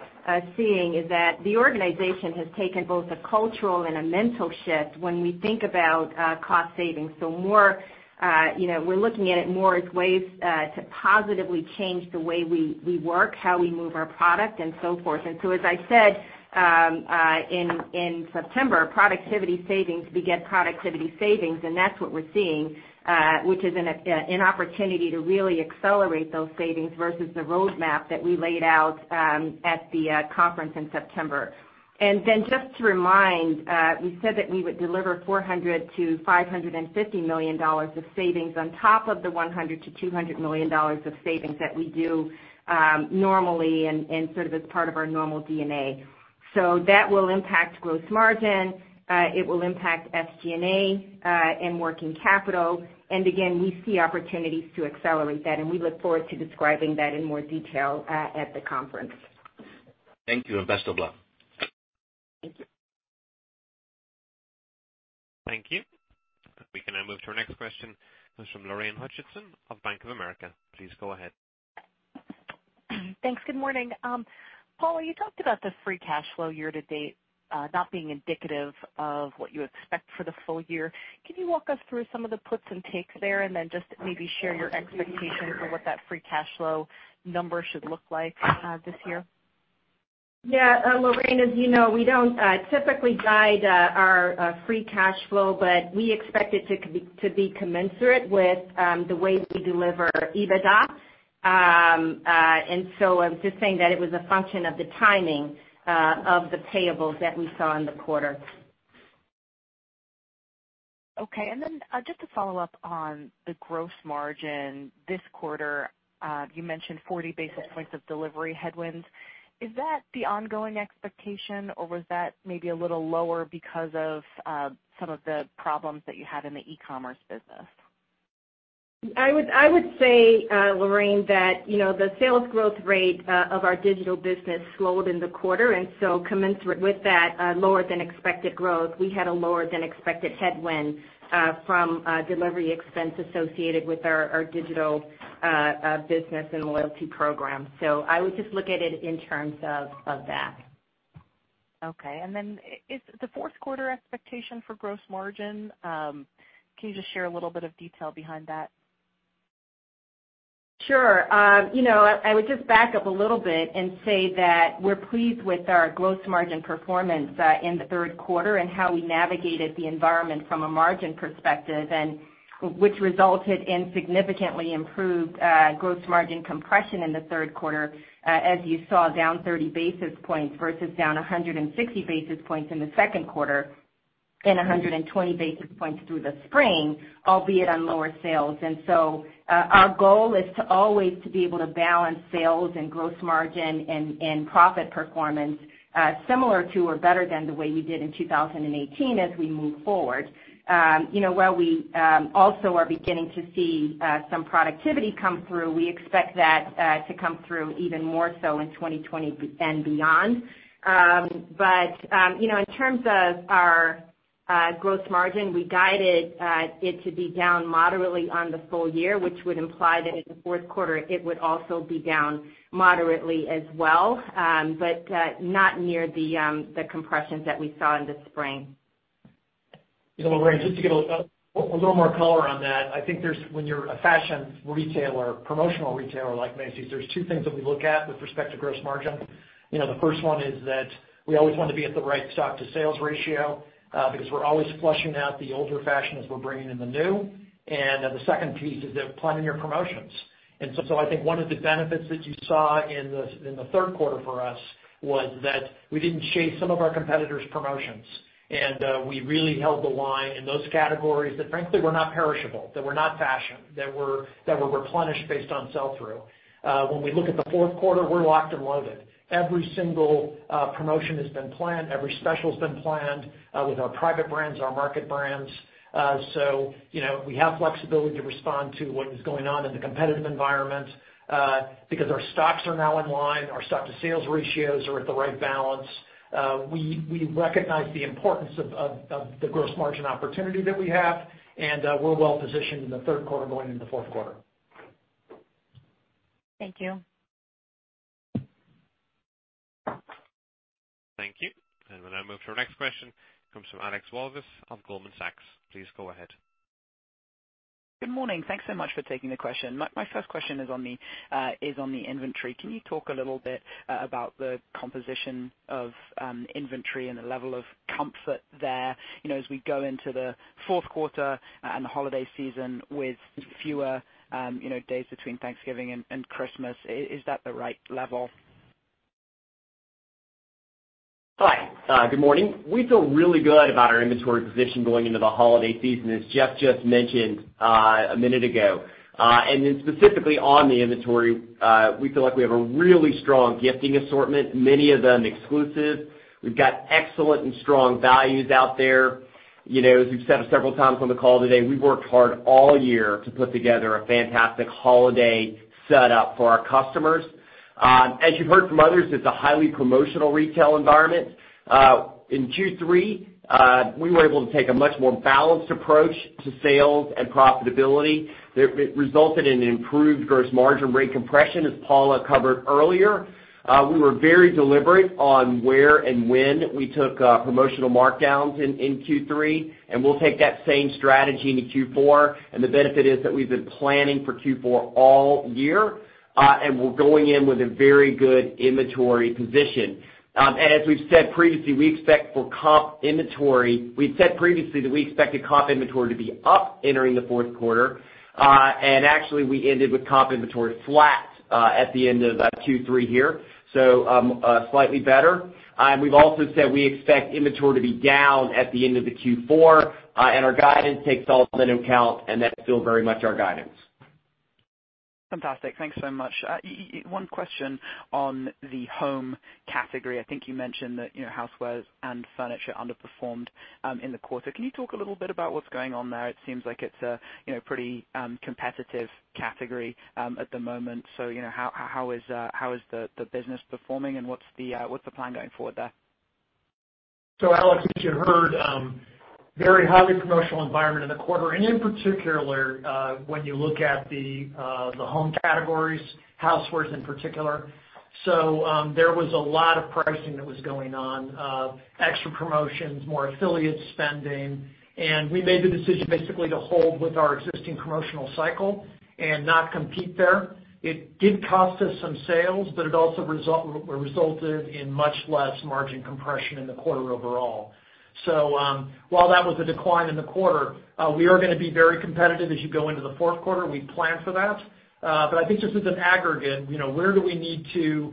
seeing is that the organization has taken both a cultural and a mental shift when we think about cost savings. We're looking at it more as ways to positively change the way we work, how we move our product and so forth. As I said, in September, productivity savings beget productivity savings, and that's what we're seeing, which is an opportunity to really accelerate those savings versus the roadmap that we laid out at the conference in September. Then just to remind, we said that we would deliver $400 million-$550 million of savings on top of the $100 million-$200 million of savings that we do normally and sort of as part of our normal DNA. That will impact gross margin. It will impact SG&A and working capital. Again, we see opportunities to accelerate that, and we look forward to describing that in more detail at the conference. Thank you, and best of luck. Thank you. Thank you. We can now move to our next question. It is from Lorraine Hutchinson of Bank of America. Please go ahead. Thanks. Good morning. Paul, you talked about the free cash flow year to date not being indicative of what you expect for the full year. Can you walk us through some of the puts and takes there and then just maybe share your expectations for what that free cash flow number should look like this year? Yeah. Lorraine, as you know, we don't typically guide our free cash flow. We expect it to be commensurate with the way we deliver EBITDA. I'm just saying that it was a function of the timing of the payables that we saw in the quarter. Okay. Just to follow up on the gross margin this quarter, you mentioned 40 basis points of delivery headwinds. Is that the ongoing expectation or was that maybe a little lower because of some of the problems that you had in the e-commerce business? I would say, Lorraine, that the sales growth rate of our digital business slowed in the quarter. Commensurate with that lower than expected growth, we had a lower than expected headwind from delivery expense associated with our digital business and loyalty program. I would just look at it in terms of that. Okay. Then the fourth quarter expectation for gross margin, can you just share a little bit of detail behind that? Sure. I would just back up a little bit and say that we're pleased with our gross margin performance in the third quarter and how we navigated the environment from a margin perspective, which resulted in significantly improved gross margin compression in the third quarter, as you saw, down 30 basis points versus down 160 basis points in the second quarter and 120 basis points through the spring, albeit on lower sales. Our goal is to always to be able to balance sales and gross margin and profit performance, similar to or better than the way we did in 2018 as we move forward. While we also are beginning to see some productivity come through, we expect that to come through even more so in 2020 and beyond. In terms of our gross margin, we guided it to be down moderately on the full year, which would imply that in the fourth quarter it would also be down moderately as well. Not near the compressions that we saw in the spring. Lorraine, just to give a little more color on that. I think when you're a fashion retailer, promotional retailer like Macy's, there's two things that we look at with respect to gross margin. The first one is that we always want to be at the right stock to sales ratio, because we're always flushing out the older fashion as we're bringing in the new. The second piece is planning your promotions. I think one of the benefits that you saw in the third quarter for us was that we didn't chase some of our competitors' promotions, and we really held the line in those categories that frankly, were not perishable, that were not fashion, that were replenished based on sell-through. When we look at the fourth quarter, we're locked and loaded. Every single promotion has been planned, every special's been planned, with our private brands, our market brands. We have flexibility to respond to what is going on in the competitive environment, because our stocks are now in line, our stock to sales ratios are at the right balance. We recognize the importance of the gross margin opportunity that we have, and we're well positioned in the third quarter going into fourth quarter. Thank you. Thank you. We'll now move to our next question, comes from Alex Walvis of Goldman Sachs. Please go ahead. Good morning. Thanks so much for taking the question. My first question is on the inventory. Can you talk a little bit about the composition of inventory and the level of comfort there as we go into the fourth quarter and the holiday season with fewer days between Thanksgiving and Christmas? Is that the right level? Hi. Good morning. We feel really good about our inventory position going into the holiday season, as Jeff just mentioned a minute ago. Specifically on the inventory, we feel like we have a really strong gifting assortment, many of them exclusive. We've got excellent and strong values out there. As we've said several times on the call today, we've worked hard all year to put together a fantastic holiday set up for our customers. As you've heard from others, it's a highly promotional retail environment. In Q3, we were able to take a much more balanced approach to sales and profitability. It resulted in an improved gross margin rate compression, as Paula covered earlier. We were very deliberate on where and when we took promotional markdowns in Q3, we'll take that same strategy into Q4. The benefit is that we've been planning for Q4 all year. We're going in with a very good inventory position. As we've said previously, we'd said previously that we expected comp inventory to be up entering the fourth quarter. Actually we ended with comp inventory flat at the end of Q3 here, so slightly better. We've also said we expect inventory to be down at the end of the Q4, and our guidance takes all of that into account, and that's still very much our guidance. Fantastic. Thanks so much. One question on the home category. I think you mentioned that housewares and furniture underperformed in the quarter. Can you talk a little bit about what's going on there? It seems like it's a pretty competitive category at the moment. How is the business performing and what's the plan going forward there? Alex, as you heard, very highly promotional environment in the quarter, and in particular, when you look at the home categories, housewares in particular. There was a lot of pricing that was going on extra promotions, more affiliate spending, and we made the decision basically to hold with our existing promotional cycle and not compete there. It did cost us some sales, but it also resulted in much less margin compression in the quarter overall. While that was a decline in the quarter, we are going to be very competitive as you go into the fourth quarter. We plan for that. I think just as an aggregate, where do we need to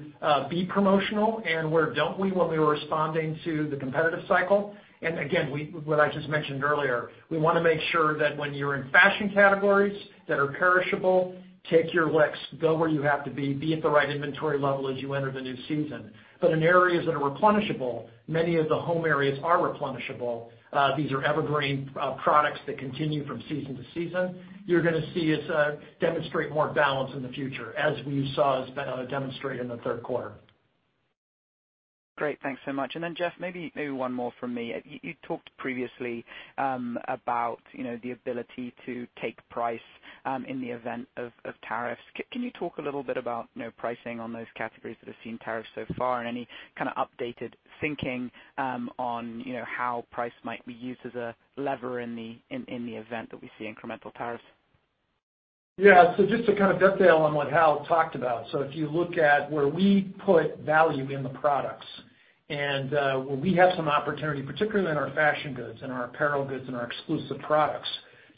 be promotional and where don't we when we were responding to the competitive cycle? Again, what I just mentioned earlier, we want to make sure that when you're in fashion categories that are perishable, take your licks, go where you have to be at the right inventory level as you enter the new season. In areas that are replenishable, many of the home areas are replenishable. These are evergreen products that continue from season to season. You're going to see us demonstrate more balance in the future as we saw us demonstrate in the third quarter. Great. Thanks so much. Then Jeff, maybe one more from me. You talked previously about the ability to take price in the event of tariffs. Can you talk a little bit about pricing on those categories that have seen tariffs so far and any kind of updated thinking on how price might be used as a lever in the event that we see incremental tariffs? Yeah. Just to kind of detail on what Hal talked about. If you look at where we put value in the products and where we have some opportunity, particularly in our fashion goods and our apparel goods and our exclusive products,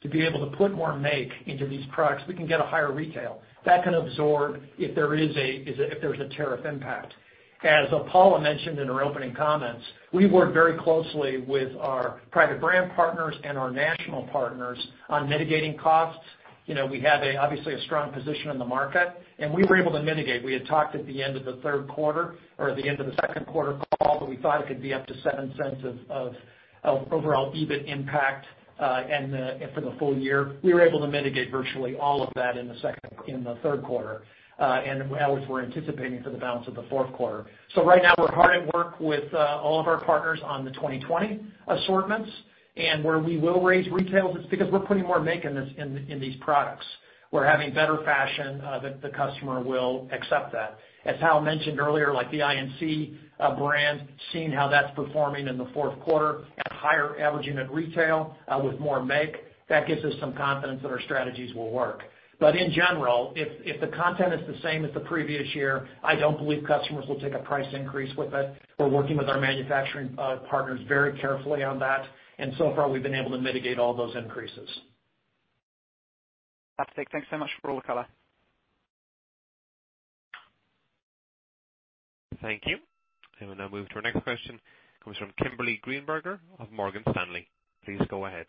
to be able to put more make into these products, we can get a higher retail. That can absorb if there is a tariff impact. As Paula mentioned in her opening comments, we work very closely with our private brand partners and our national partners on mitigating costs. We have obviously a strong position in the market, and we were able to mitigate. We had talked at the end of the third quarter or the end of the second quarter call that we thought it could be up to $0.07 of overall EBIT impact for the full year. We were able to mitigate virtually all of that in the third quarter and as we're anticipating for the balance of the fourth quarter. Right now we're hard at work with all of our partners on the 2020 assortments and where we will raise retails, it's because we're putting more make in these products. We're having better fashion that the customer will accept that. As Hal mentioned earlier, like the I.N.C. brand, seeing how that's performing in the fourth quarter at higher averaging at retail with more make, that gives us some confidence that our strategies will work. In general, if the content is the same as the previous year, I don't believe customers will take a price increase with it. We're working with our manufacturing partners very carefully on that, and so far, we've been able to mitigate all those increases. Fantastic. Thanks so much for all the color. Thank you. We'll now move to our next question, comes from Kimberly Greenberger of Morgan Stanley. Please go ahead.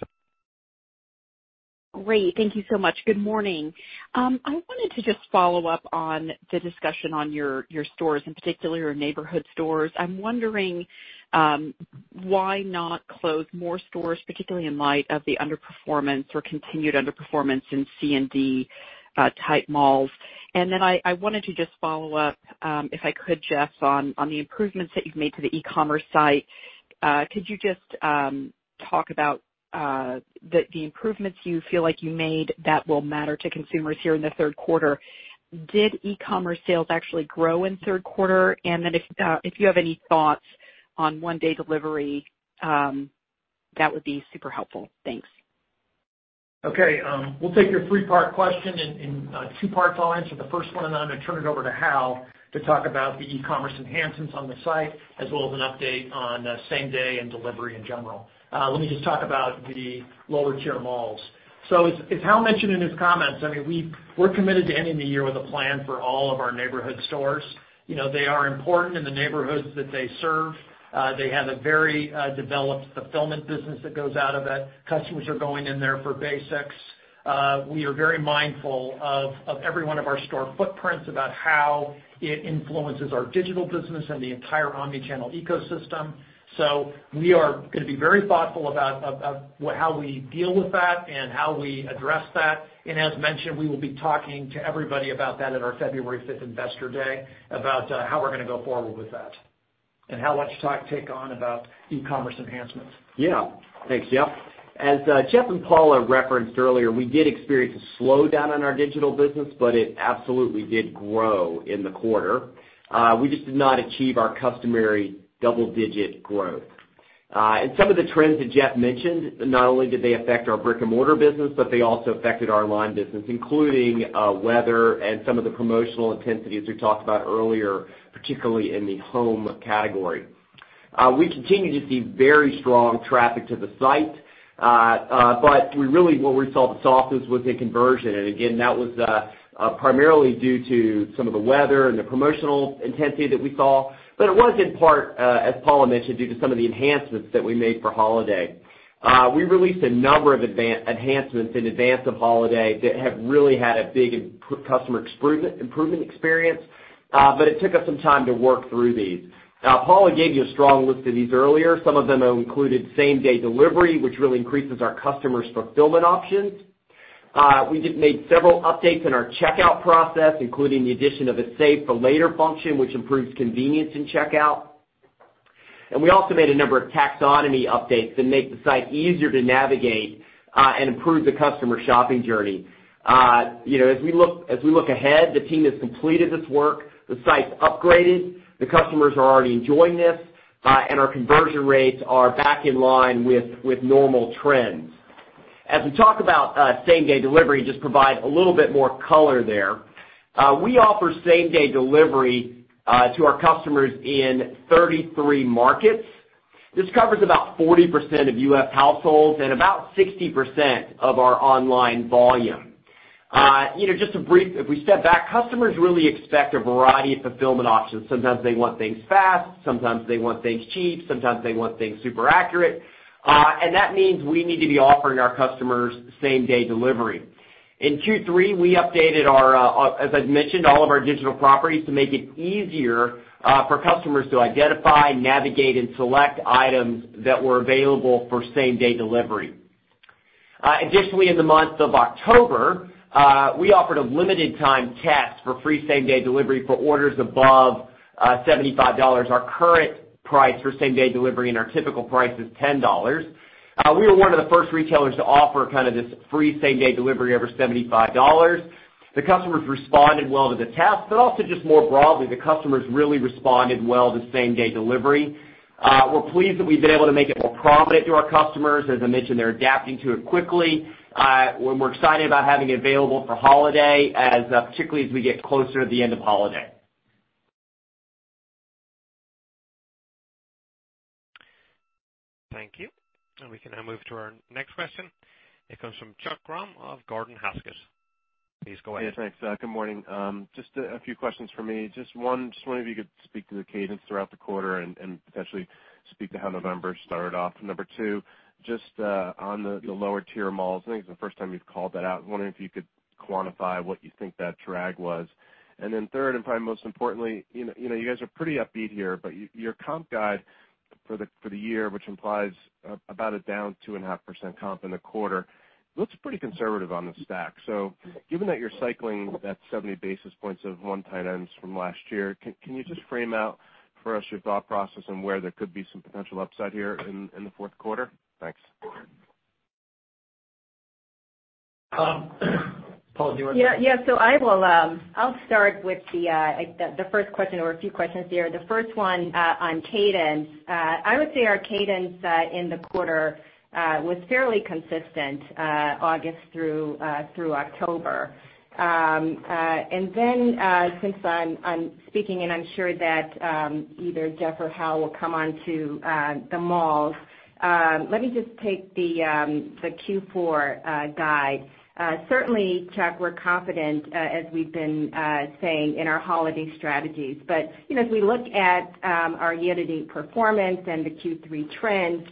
Great. Thank you so much. Good morning. I wanted to just follow up on the discussion on your stores, in particular your neighborhood stores. I'm wondering why not close more stores, particularly in light of the underperformance or continued underperformance in C and D type malls. I wanted to just follow up, if I could, Jeff, on the improvements that you've made to the e-commerce site. Could you just talk about the improvements you feel like you made that will matter to consumers here in the third quarter? Did e-commerce sales actually grow in the third quarter? If you have any thoughts on one-day delivery, that would be super helpful. Thanks. Okay. We'll take your three-part question in two parts. I'll answer the first one, and then I'm going to turn it over to Hal to talk about the e-commerce enhancements on the site, as well as an update on same-day and delivery in general. Let me just talk about the lower tier malls. As Hal mentioned in his comments, we're committed to ending the year with a plan for all of our neighborhood stores. They are important in the neighborhoods that they serve. They have a very developed fulfillment business that goes out of it. Customers are going in there for basics. We are very mindful of every one of our store footprints about how it influences our digital business and the entire omni-channel ecosystem. We are going to be very thoughtful about how we deal with that and how we address that. As mentioned, we will be talking to everybody about that at our February 5th investor day about how we're going to go forward with that. Hal, why don't you take on about e-commerce enhancements? Yeah. Thanks, Jeff. As Jeff and Paula referenced earlier, we did experience a slowdown in our digital business, but it absolutely did grow in the quarter. We just did not achieve our customary double-digit growth. Some of the trends that Jeff mentioned, not only did they affect our brick-and-mortar business, but they also affected our online business, including weather and some of the promotional intensity as we talked about earlier, particularly in the home category. We continue to see very strong traffic to the site. Really what we saw the softness was in conversion. Again, that was primarily due to some of the weather and the promotional intensity that we saw. It was in part, as Paula mentioned, due to some of the enhancements that we made for holiday. We released a number of enhancements in advance of holiday that have really had a big customer improvement experience. It took us some time to work through these. Paula gave you a strong list of these earlier. Some of them included same-day delivery, which really increases our customers' fulfillment options. We just made several updates in our checkout process, including the addition of a save for later function, which improves convenience in checkout. We also made a number of taxonomy updates that make the site easier to navigate and improve the customer shopping journey. As we look ahead, the team has completed this work. The site's upgraded, the customers are already enjoying this, and our conversion rates are back in line with normal trends. As we talk about same-day delivery, just provide a little bit more color there. We offer same-day delivery to our customers in 33 markets. This covers about 40% of U.S. households and about 60% of our online volume. If we step back, customers really expect a variety of fulfillment options. Sometimes they want things fast, sometimes they want things cheap, sometimes they want things super accurate. That means we need to be offering our customers same-day delivery. In Q3, we updated, as I've mentioned, all of our digital properties to make it easier for customers to identify, navigate, and select items that were available for same-day delivery. Additionally, in the month of October, we offered a limited time test for free same-day delivery for orders above $75. Our current price for same-day delivery and our typical price is $10. We were one of the first retailers to offer this free same-day delivery over $75. The customers responded well to the test, also just more broadly, the customers really responded well to same-day delivery. We're pleased that we've been able to make it more prominent to our customers. As I mentioned, they're adapting to it quickly. We're more excited about having it available for holiday, particularly as we get closer to the end of holiday. Thank you. We can now move to our next question. It comes from Chuck Grom of Gordon Haskett. Please go ahead. Yes, thanks. Good morning. Just a few questions from me. Just one, just wondering if you could speak to the cadence throughout the quarter and potentially speak to how November started off. Number two, just on the lower tier malls, I think it's the first time you've called that out. I was wondering if you could quantify what you think that drag was. Then third, and probably most importantly, you guys are pretty upbeat here, but your comp guide for the year, which implies about a down 2.5% comp in the quarter, looks pretty conservative on the stack. Given that you're cycling that 70 basis points of one-time ends from last year, can you just frame out for us your thought process and where there could be some potential upside here in the fourth quarter? Thanks. Paula, do you want to- Yeah. I'll start with the first question or a few questions there. The first one on cadence. I would say our cadence in the quarter was fairly consistent August through October. Since I'm speaking and I'm sure that either Jeff or Hal will come on to the malls, let me just take the Q4 guide. Certainly, Chuck, we're confident, as we've been saying in our holiday strategies. As we look at our year-to-date performance and the Q3 trends,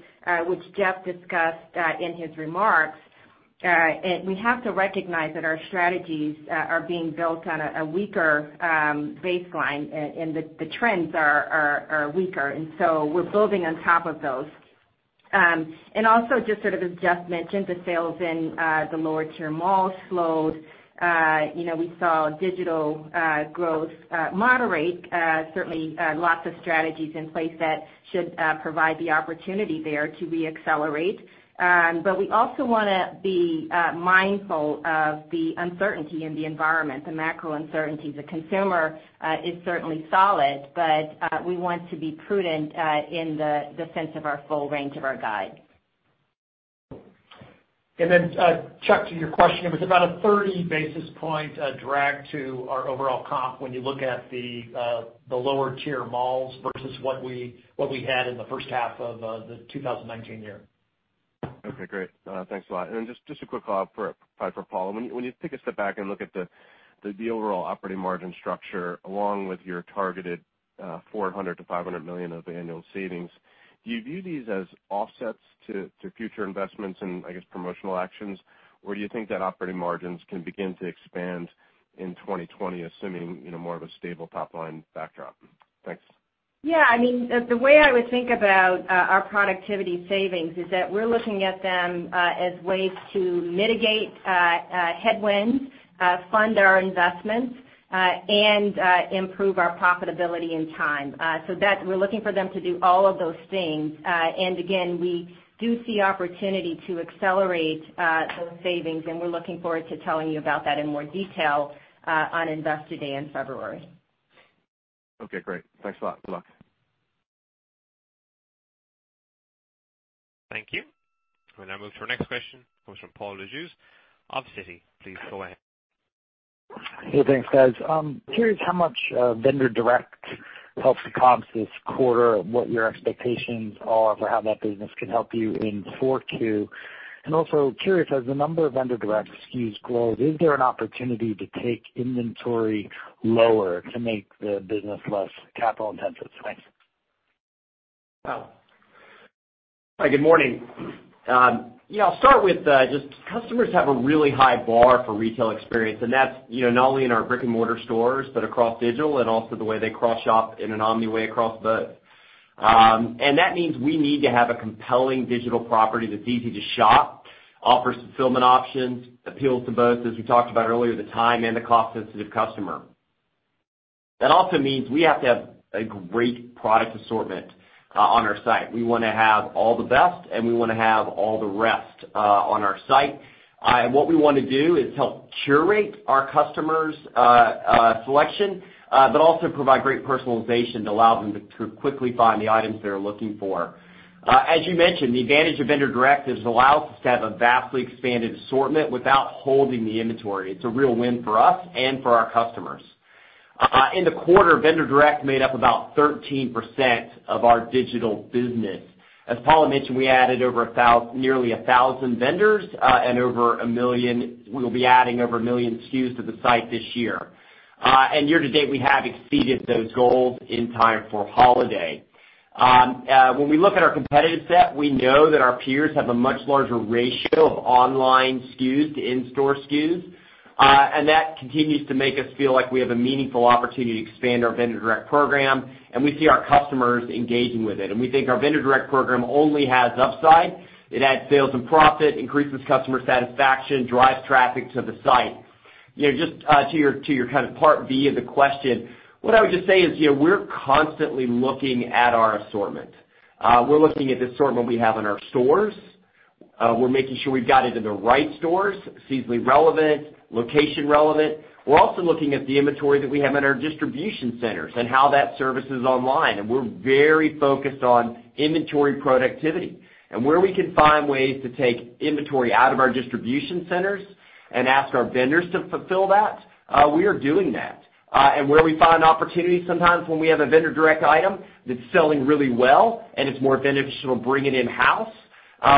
which Jeff discussed in his remarks, we have to recognize that our strategies are being built on a weaker baseline and the trends are weaker. We're building on top of those. Also, just as Jeff mentioned, the sales in the lower tier malls slowed. We saw digital growth moderate. Certainly, lots of strategies in place that should provide the opportunity there to re-accelerate. We also want to be mindful of the uncertainty in the environment, the macro uncertainty. The consumer is certainly solid, but we want to be prudent in the defense of our full range of our guide. Chuck, to your question, it was about a 30 basis point drag to our overall comp when you look at the lower tier malls versus what we had in the first half of the 2019 year. Okay, great. Thanks a lot. Then just a quick follow-up for Paula. When you take a step back and look at the overall operating margin structure, along with your targeted $400 million-$500 million of annual savings, do you view these as offsets to future investments and, I guess, promotional actions? Or do you think that operating margins can begin to expand in 2020, assuming more of a stable top-line backdrop? Thanks. Yeah. The way I would think about our productivity savings is that we're looking at them as ways to mitigate headwinds, fund our investments, and improve our profitability in time. We're looking for them to do all of those things. Again, we do see opportunity to accelerate those savings, and we're looking forward to telling you about that in more detail on Investor Day in February. Okay, great. Thanks a lot. Good luck. Thank you. We'll now move to our next question, comes from Paul Lejuez of Citi. Please go ahead. Yeah, thanks, guys. Curious how much vendor-direct helped the comps this quarter, and what your expectations are for how that business can help you in 4Q. Also curious, as the number of vendor-direct SKUs grows, is there an opportunity to take inventory lower to make the business less capital intensive? Thanks. Hal. Hi, good morning. I'll start with just customers have a really high bar for retail experience, and that's not only in our brick-and-mortar stores, but across digital and also the way they cross shop in an omni way across both. That means we need to have a compelling digital property that's easy to shop, offers fulfillment options, appeals to both, as we talked about earlier, the time and the cost sensitive customer. That also means we have to have a great product assortment on our site. We want to have all the best, and we want to have all the rest on our site. What we want to do is help curate our customers' selection, but also provide great personalization to allow them to quickly find the items they're looking for. As you mentioned, the advantage of vendor direct is it allows us to have a vastly expanded assortment without holding the inventory. It's a real win for us and for our customers. In the quarter, vendor direct made up about 13% of our digital business. As Paula mentioned, we added nearly 1,000 vendors, we'll be adding over a million SKUs to the site this year. Year to date, we have exceeded those goals in time for holiday. When we look at our competitive set, we know that our peers have a much larger ratio of online SKUs to in-store SKUs. That continues to make us feel like we have a meaningful opportunity to expand our vendor direct program, and we see our customers engaging with it. We think our vendor direct program only has upside. It adds sales and profit, increases customer satisfaction, drives traffic to the site. Just to your part B of the question, what I would just say is we're constantly looking at our assortment. We're looking at the assortment we have in our stores. We're making sure we've got it in the right stores, seasonally relevant, location relevant. We're also looking at the inventory that we have in our distribution centers and how that services online. We're very focused on inventory productivity. Where we can find ways to take inventory out of our distribution centers and ask our vendors to fulfill that, we are doing that. Where we find opportunities, sometimes when we have a vendor-direct item that's selling really well and it's more beneficial to bring it in-house,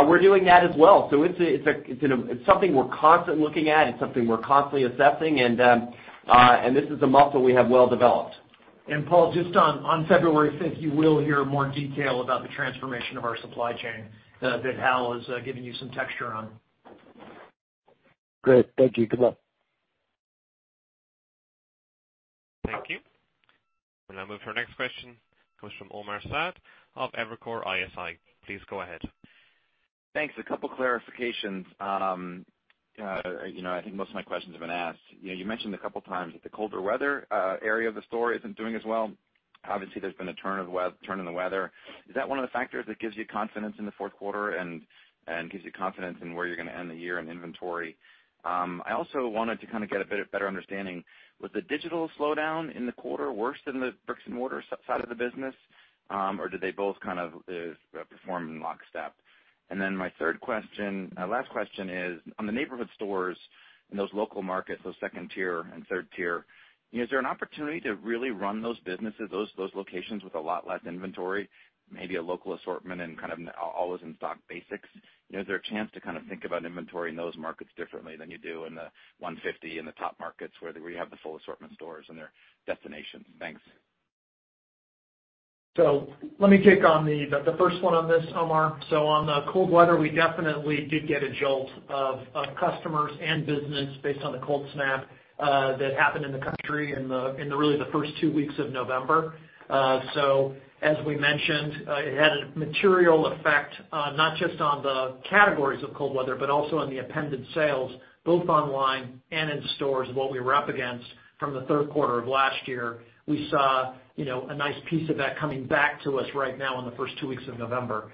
we're doing that as well. It's something we're constantly looking at. It's something we're constantly assessing, and this is a muscle we have well developed. Paul, just on February 5th, you will hear more detail about the transformation of our supply chain that Hal is giving you some texture on. Great. Thank you. Good luck. Thank you. We'll now move to our next question, comes from Omar Saad of Evercore ISI. Please go ahead. Thanks. A couple clarifications. I think most of my questions have been asked. You mentioned a couple of times that the colder weather area of the store isn't doing as well. Obviously, there's been a turn in the weather. Is that one of the factors that gives you confidence in the fourth quarter and gives you confidence in where you're going to end the year in inventory? I also wanted to get a bit better understanding. Was the digital slowdown in the quarter worse than the bricks-and-mortar side of the business? Did they both perform in lockstep? My third question, last question is, on the neighborhood stores in those local markets, those tier two and tier three, is there an opportunity to really run those businesses, those locations with a lot less inventory, maybe a local assortment and always in-stock basics? Is there a chance to think about inventory in those markets differently than you do in the 150, in the top markets where you have the full assortment stores and their destinations? Thanks. Let me take on the first one on this, Omar. On the cold weather, we definitely did get a jolt of customers and business based on the cold snap that happened in the country in really the first two weeks of November. As we mentioned, it had a material effect, not just on the categories of cold weather, but also on the appended sales, both online and in stores, what we were up against from the third quarter of last year. We saw a nice piece of that coming back to us right now in the first two weeks of November.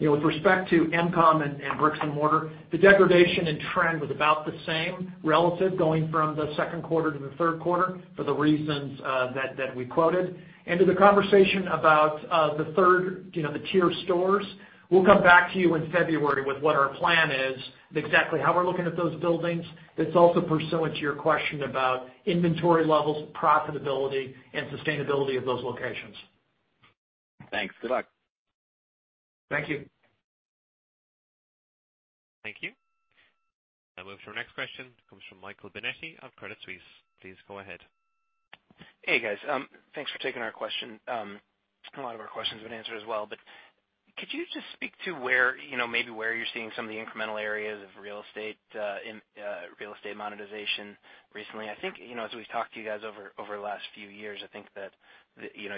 With respect to MCOM and bricks and mortar, the degradation in trend was about the same relative going from the second quarter to the third quarter for the reasons that we quoted. To the conversation about the third tier stores, we'll come back to you in February with what our plan is and exactly how we're looking at those buildings. That's also pursuant to your question about inventory levels, profitability, and sustainability of those locations. Thanks. Good luck. Thank you. Thank you. I move to our next question, comes from Michael Binetti of Credit Suisse. Please go ahead. Hey, guys. Thanks for taking our question. A lot of our questions have been answered as well, but could you just speak to maybe where you're seeing some of the incremental areas of real estate monetization recently? I think, as we've talked to you guys over the last few years, I think that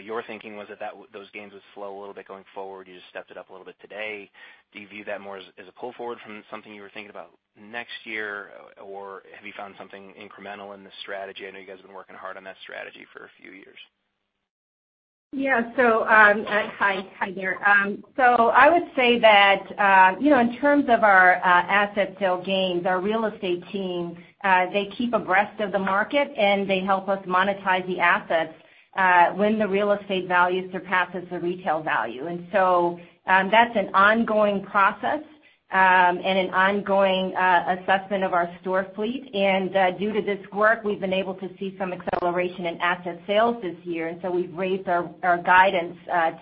your thinking was that those gains would slow a little bit going forward. You just stepped it up a little bit today. Do you view that more as a pull forward from something you were thinking about next year? Or have you found something incremental in this strategy? I know you guys have been working hard on that strategy for a few years. Yeah. Hi there. I would say that, in terms of our asset sale gains, our real estate team, they keep abreast of the market, and they help us monetize the assets when the real estate value surpasses the retail value. That's an ongoing process and an ongoing assessment of our store fleet. Due to this work, we've been able to see some acceleration in asset sales this year. We've raised our guidance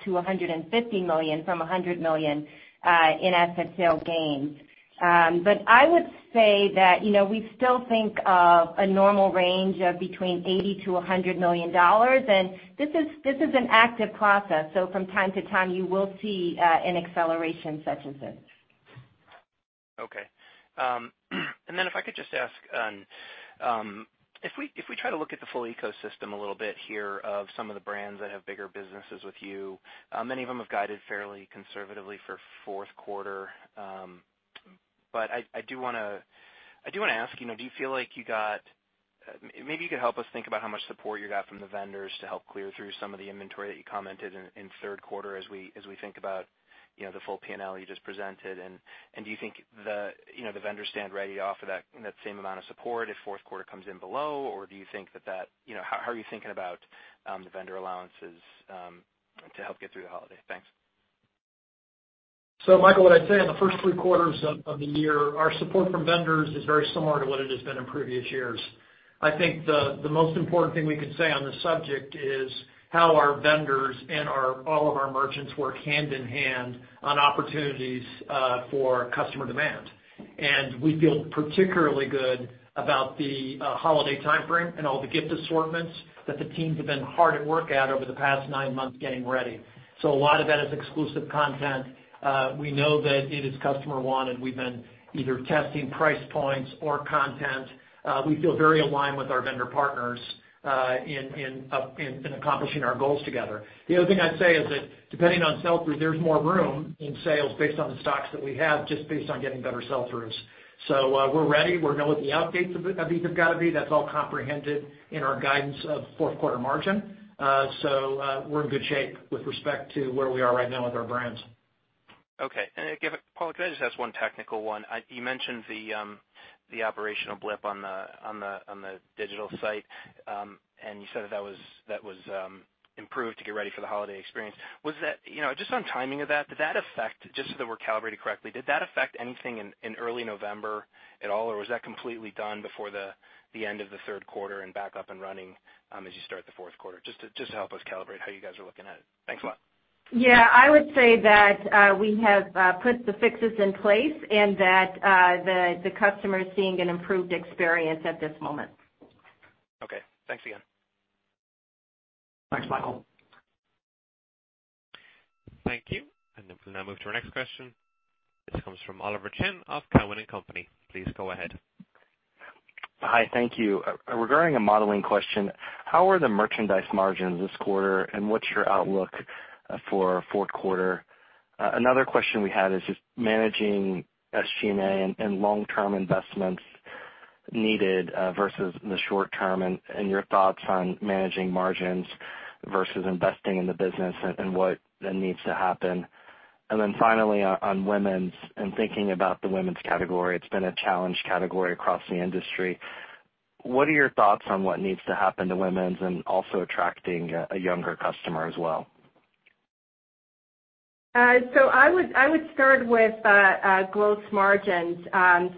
to $150 million from $100 million in asset sale gains. I would say that we still think of a normal range of between $80 million-$100 million. This is an active process, so from time to time, you will see an acceleration such as this. Okay. If I could just ask, if we try to look at the full ecosystem a little bit here of some of the brands that have bigger businesses with you, many of them have guided fairly conservatively for fourth quarter. I do want to ask, maybe you could help us think about how much support you got from the vendors to help clear through some of the inventory that you commented in third quarter as we think about the full P&L you just presented? Do you think the vendors stand ready to offer that same amount of support if fourth quarter comes in below? How are you thinking about the vendor allowances to help get through the holiday? Thanks. Michael, what I'd say on the first three quarters of the year, our support from vendors is very similar to what it has been in previous years. I think the most important thing we can say on this subject is how our vendors and all of our merchants work hand in hand on opportunities for customer demand. We feel particularly good about the holiday timeframe and all the gift assortments that the teams have been hard at work at over the past nine months getting ready. A lot of that is exclusive content. We know that it is customer-wanted. We've been either testing price points or content. We feel very aligned with our vendor partners in accomplishing our goals together. The other thing I'd say is that depending on sell-through, there's more room in sales based on the stocks that we have, just based on getting better sell-throughs. We're ready. We know what the outdates of these have got to be. That's all comprehended in our guidance of fourth quarter margin. We're in good shape with respect to where we are right now with our brands. Okay. Paula, could I just ask one technical one? You mentioned the operational blip on the digital site. You said that was improved to get ready for the holiday experience. Just on timing of that, just so that we're calibrated correctly, did that affect anything in early November at all, or was that completely done before the end of the third quarter and back up and running as you start the fourth quarter? Just to help us calibrate how you guys are looking at it. Thanks a lot. Yeah, I would say that we have put the fixes in place and that the customer is seeing an improved experience at this moment. Okay, thanks again. Thanks, Michael. Thank you. We'll now move to our next question. This comes from Oliver Chen of Cowen and Company. Please go ahead. Hi. Thank you. Regarding a modeling question, how are the merchandise margins this quarter, and what's your outlook for fourth quarter? Another question we had is just managing SG&A and long-term investments needed versus the short-term, and your thoughts on managing margins versus investing in the business and what needs to happen. Finally, on women's and thinking about the women's category, it's been a challenged category across the industry. What are your thoughts on what needs to happen to women's and also attracting a younger customer as well? I would start with gross margins.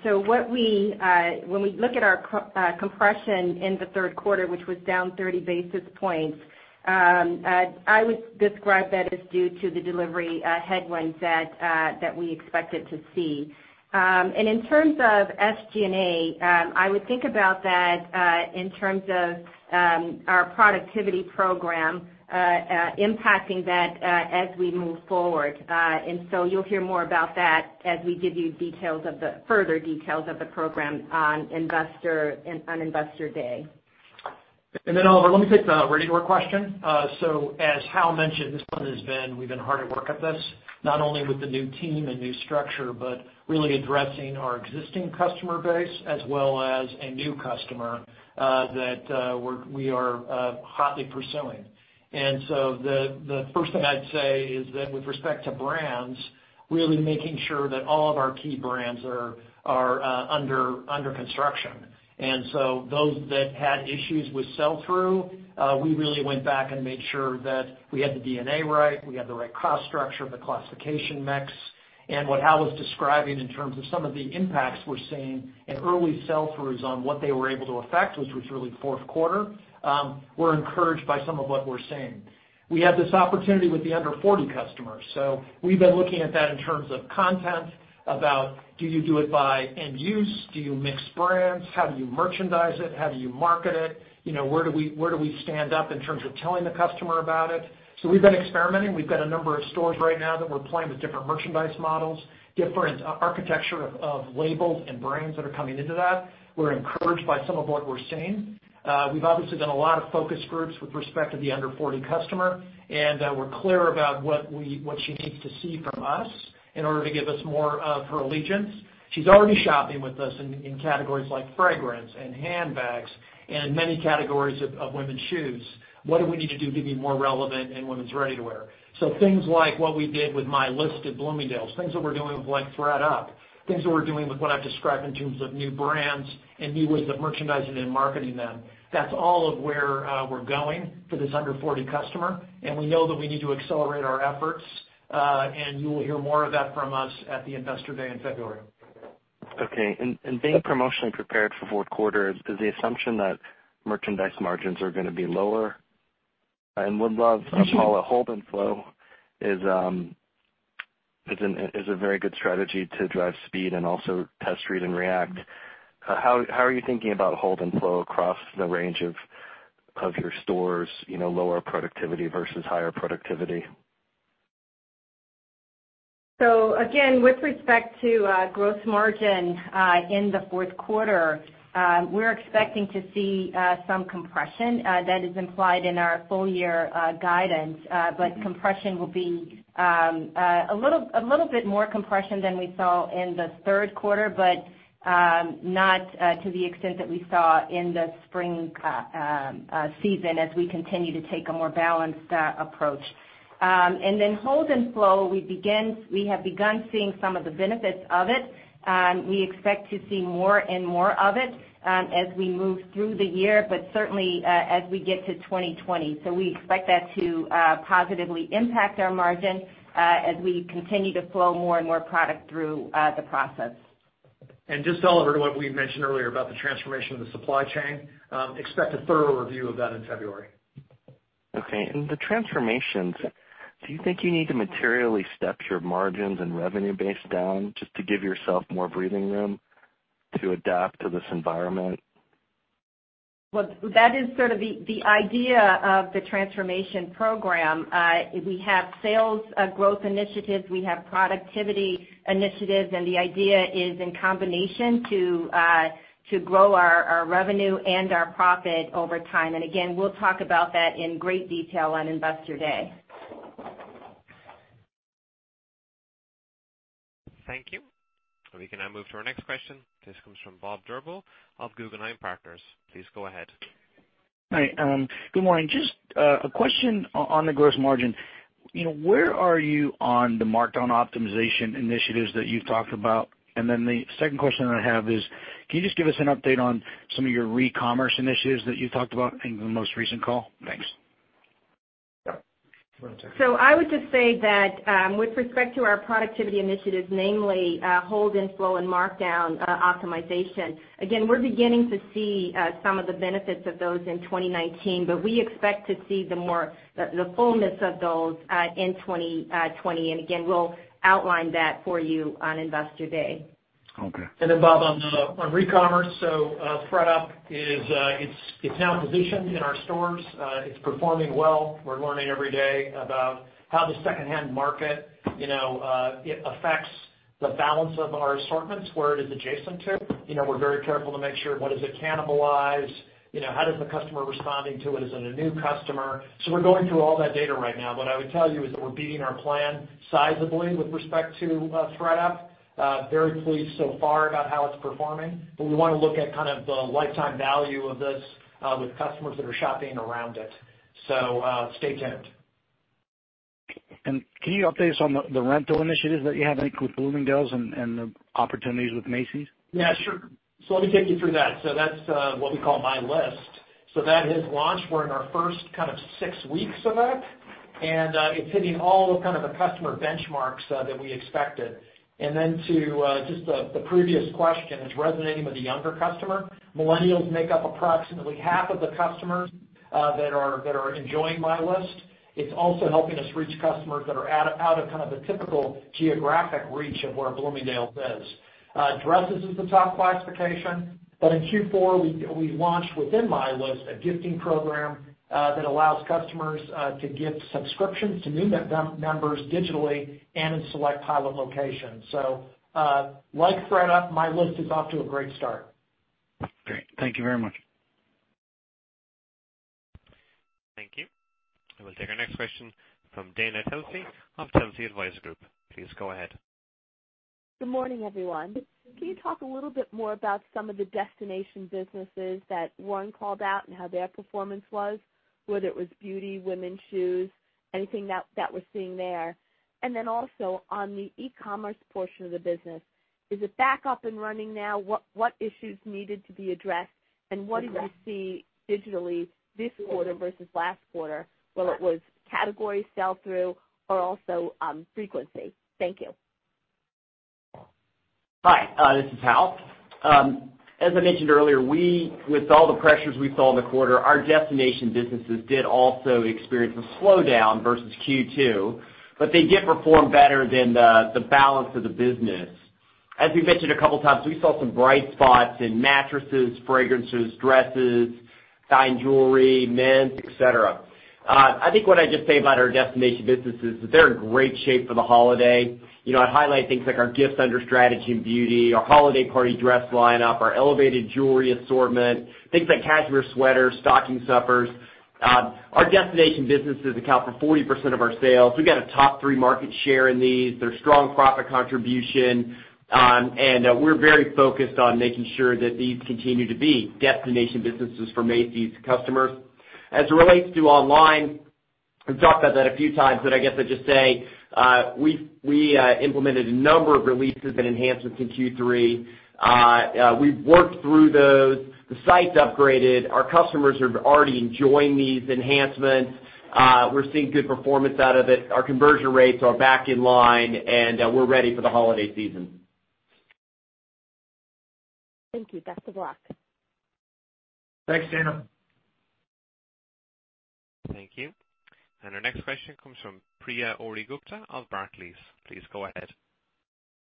When we look at our compression in the third quarter, which was down 30 basis points, I would describe that as due to the delivery headwinds that we expected to see. In terms of SG&A, I would think about that in terms of our productivity program impacting that as we move forward. You'll hear more about that as we give you further details of the program on Investor Day. Oliver, let me take the ready-to-wear question. As Hal mentioned, we've been hard at work at this, not only with the new team and new structure, but really addressing our existing customer base as well as a new customer that we are hotly pursuing. The first thing I'd say is that with respect to brands, really making sure that all of our key brands are under construction. Those that had issues with sell-through, we really went back and made sure that we had the DNA right, we had the right cost structure, the classification mix. What Hal was describing in terms of some of the impacts we're seeing in early sell-throughs on what they were able to affect, which was really fourth quarter, we're encouraged by some of what we're seeing. We had this opportunity with the under 40 customers. We've been looking at that in terms of content about do you do it by end use? Do you mix brands? How do you merchandise it? How do you market it? Where do we stand up in terms of telling the customer about it? We've been experimenting. We've got a number of stores right now that we're playing with different merchandise models, different architecture of labels and brands that are coming into that. We're encouraged by some of what we're seeing. We've obviously done a lot of focus groups with respect to the under 40 customer, and we're clear about what she needs to see from us in order to give us more of her allegiance. She's already shopping with us in categories like fragrance and handbags and many categories of women's shoes. What do we need to do to be more relevant in women's ready-to-wear? Things like what we did with My List at Bloomingdale's, things that we're doing with thredUP, things that we're doing with what I've described in terms of new brands and new ways of merchandising and marketing them. That's all of where we're going for this under 40 customer, and we know that we need to accelerate our efforts. You will hear more of that from us at the Investor Day in February. Okay. Being promotionally prepared for fourth quarter, is the assumption that merchandise margins are gonna be lower? Would love, Paula, hold and flow is a very good strategy to drive speed and also test, read, and react. How are you thinking about hold and flow across the range of your stores, lower productivity versus higher productivity? Again, with respect to gross margin, in the fourth quarter, we're expecting to see some compression. That is implied in our full year guidance. A little bit more compression than we saw in the third quarter, but not to the extent that we saw in the spring season as we continue to take a more balanced approach. Hold and flow, we have begun seeing some of the benefits of it. We expect to see more and more of it as we move through the year, but certainly as we get to 2020. We expect that to positively impact our margin as we continue to flow more and more product through the process. Just, Oliver, to what we mentioned earlier about the transformation of the supply chain, expect a thorough review of that in February. In the transformations, do you think you need to materially step your margins and revenue base down just to give yourself more breathing room to adapt to this environment? Well, that is sort of the idea of the transformation program. We have sales growth initiatives. We have productivity initiatives, and the idea is in combination to grow our revenue and our profit over time. Again, we'll talk about that in great detail on Investor Day. Thank you. We can now move to our next question. This comes from Bob Drbul of Guggenheim Partners. Please go ahead. Hi. Good morning. Just a question on the gross margin. Where are you on the markdown optimization initiatives that you've talked about? The second question I have is, can you just give us an update on some of your recommerce initiatives that you talked about in the most recent call? Thanks. Yeah. You want to take it? I would just say that with respect to our productivity initiatives, namely hold and flow and markdown optimization, again, we're beginning to see some of the benefits of those in 2019, but we expect to see the fullness of those in 2020. Again, we'll outline that for you on Investor Day. Okay. Bob, on recommerce, thredUP is now positioned in our stores. It's performing well. We're learning every day about how the secondhand market affects the balance of our assortments, where it is adjacent to. We're very careful to make sure what does it cannibalize, how does the customer responding to it as a new customer. We're going through all that data right now. What I would tell you is that we're beating our plan sizably with respect to thredUP. Very pleased so far about how it's performing, but we want to look at kind of the lifetime value of this with customers that are shopping around it. Stay tuned. Can you update us on the rental initiatives that you have, like with Bloomingdale's and the opportunities with Macy's? Yeah, sure. Let me take you through that. That's what we call My List. That has launched. We're in our first kind of six weeks of it, and it's hitting all the kind of the customer benchmarks that we expected. To just the previous question, it's resonating with the younger customer. Millennials make up approximately half of the customers that are enjoying My List. It's also helping us reach customers that are out of kind of the typical geographic reach of where a Bloomingdale's is. Dresses is the top classification, in Q4, we launched within My List a gifting program that allows customers to gift subscriptions to new members digitally and in select pilot locations. Like thredUP, My List is off to a great start. Great. Thank you very much. Thank you. I will take our next question from Dana Telsey of Telsey Advisory Group. Please go ahead. Good morning, everyone. Can you talk a little bit more about some of the destination businesses that were called out and how their performance was, whether it was beauty, women's shoes, anything that we're seeing there. Then also on the e-commerce portion of the business, is it back up and running now? What issues needed to be addressed, what do you see digitally this quarter versus last quarter, whether it was category sell-through or also frequency? Thank you. Hi. This is Hal. As I mentioned earlier, with all the pressures we saw in the quarter, our destination businesses did also experience a slowdown versus Q2, but they did perform better than the balance of the business. As we mentioned a couple of times, we saw some bright spots in mattresses, fragrances, dresses, fine jewelry, men's, et cetera. I think what I'd just say about our destination businesses is they're in great shape for the holiday. I'd highlight things like our gifts under strategy and beauty, our holiday party dress lineup, our elevated jewelry assortment, things like cashmere sweaters, stocking stuffers. Our destination businesses account for 40% of our sales. We've got a top three market share in these. They're strong profit contribution. We're very focused on making sure that these continue to be destination businesses for Macy's customers. As it relates to online, we've talked about that a few times, but I guess I'd just say, we implemented a number of releases and enhancements in Q3. We've worked through those. The site's upgraded. Our customers are already enjoying these enhancements. We're seeing good performance out of it. Our conversion rates are back in line, and we're ready for the holiday season. Thank you. Best of luck. Thanks, Dana. Thank you. Our next question comes from Priya Ohri-Gupta of Barclays. Please go ahead.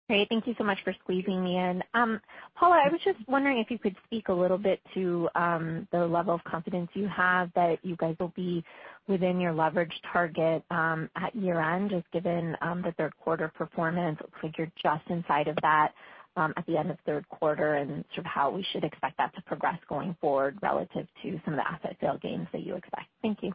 Great. Thank you so much for squeezing me in. Paula, I was just wondering if you could speak a little bit to the level of confidence you have that you guys will be within your leverage target at year-end, just given the third quarter performance. It looks like you're just inside of that at the end of third quarter and sort of how we should expect that to progress going forward relative to some of the asset sale gains that you expect. Thank you.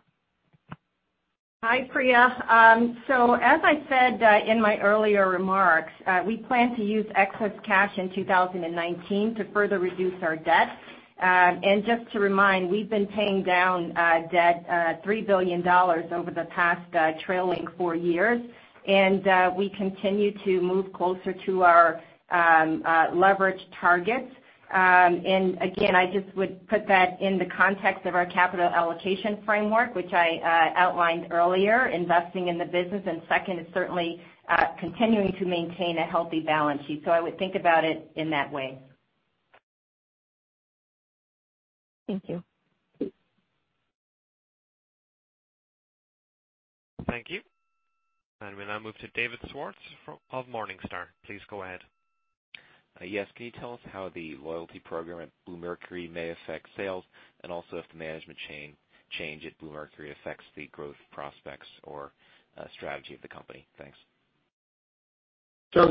Hi, Priya. As I said in my earlier remarks, we plan to use excess cash in 2019 to further reduce our debt. Just to remind, we've been paying down debt, $3 billion over the past trailing four years. We continue to move closer to our leverage targets. Again, I just would put that in the context of our capital allocation framework, which I outlined earlier, investing in the business. Second is certainly continuing to maintain a healthy balance sheet. I would think about it in that way. Thank you. Thank you. We now move to David Swartz of Morningstar. Please go ahead. Yes, can you tell us how the loyalty program at Bluemercury may affect sales, and also if the management change at Bluemercury affects the growth prospects or strategy of the company? Thanks. The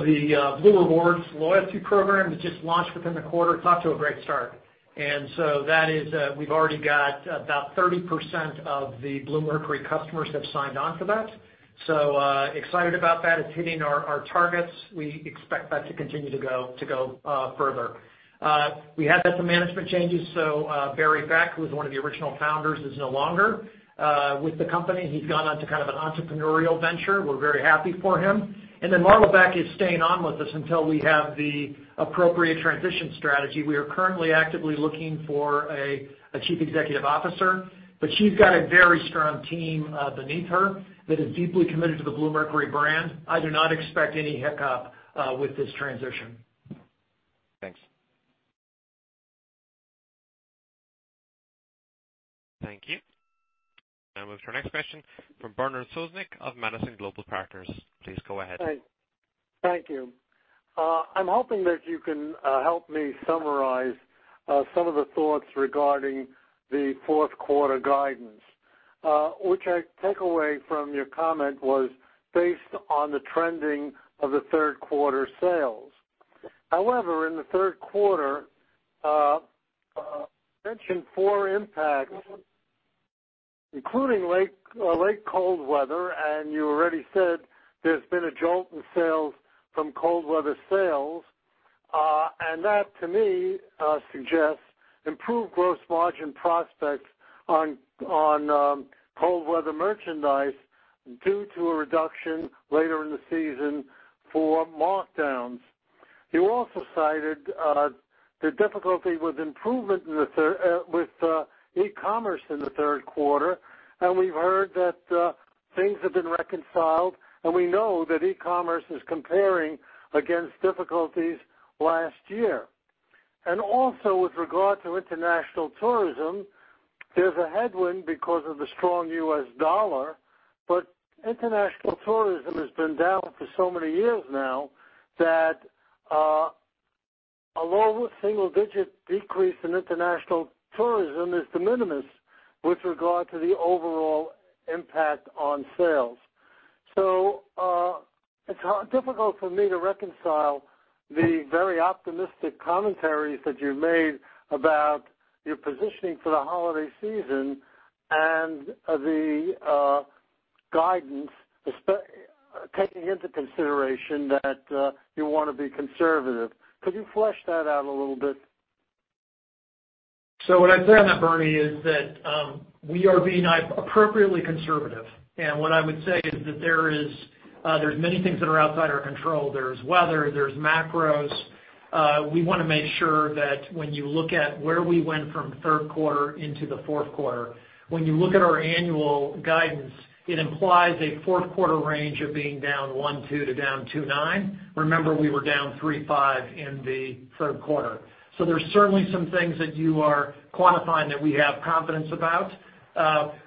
Blue Rewards loyalty program that just launched within the quarter is off to a great start. We've already got about 30% of the Bluemercury customers have signed on for that. We're excited about that. It's hitting our targets. We expect that to continue to go further. We had some management changes. Barry Beck, who was one of the original founders, is no longer with the company. He's gone on to kind of an entrepreneurial venture. We're very happy for him. Marla Beck is staying on with us until we have the appropriate transition strategy. We are currently actively looking for a Chief Executive Officer. She's got a very strong team beneath her that is deeply committed to the Bluemercury brand. I do not expect any hiccup with this transition. Thanks. Thank you. Now move to our next question from Bernard Sosnick of Madison Global Partners. Please go ahead. Hi. Thank you. I'm hoping that you can help me summarize some of the thoughts regarding the fourth quarter guidance, which I take away from your comment was based on the trending of the third quarter sales. However, in the third quarter, you mentioned four impacts, including late cold weather, and you already said there's been a jolt in sales from cold weather sales. That, to me, suggests improved gross margin prospects on cold weather merchandise due to a reduction later in the season for markdowns. You also cited the difficulty with improvement with e-commerce in the third quarter, and we've heard that things have been reconciled, and we know that e-commerce is comparing against difficulties last year. Also with regard to international tourism, there's a headwind because of the strong U.S. dollar, but international tourism has been down for so many years now that a low single-digit decrease in international tourism is de minimis with regard to the overall impact on sales. It's difficult for me to reconcile the very optimistic commentaries that you made about your positioning for the holiday season and the guidance, taking into consideration that you want to be conservative. Could you flesh that out a little bit? What I'd say on that, Bernie, is that we are being appropriately conservative. What I would say is that there's many things that are outside our control. There's weather, there's macros. We want to make sure that when you look at where we went from third quarter into the fourth quarter, when you look at our annual guidance, it implies a fourth quarter range of being down 1.2% to down 2.9%. Remember, we were down 3.5% in the third quarter. There's certainly some things that you are quantifying that we have confidence about.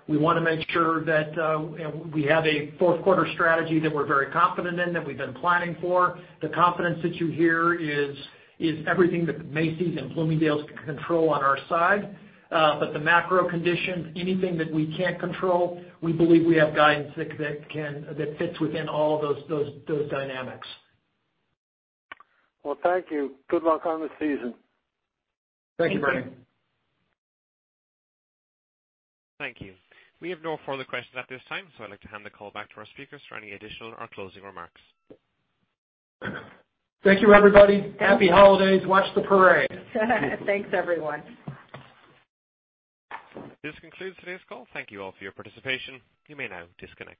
We want to make sure that we have a fourth quarter strategy that we're very confident in, that we've been planning for. The confidence that you hear is everything that Macy's and Bloomingdale's can control on our side. The macro conditions, anything that we can't control, we believe we have guidance that fits within all of those dynamics. Well, thank you. Good luck on the season. Thank you, Bernie. Thank you. We have no further questions at this time. I'd like to hand the call back to our speakers for any additional or closing remarks. Thank you, everybody. Happy holidays. Watch the parade. Thanks, everyone. This concludes today's call. Thank you all for your participation. You may now disconnect.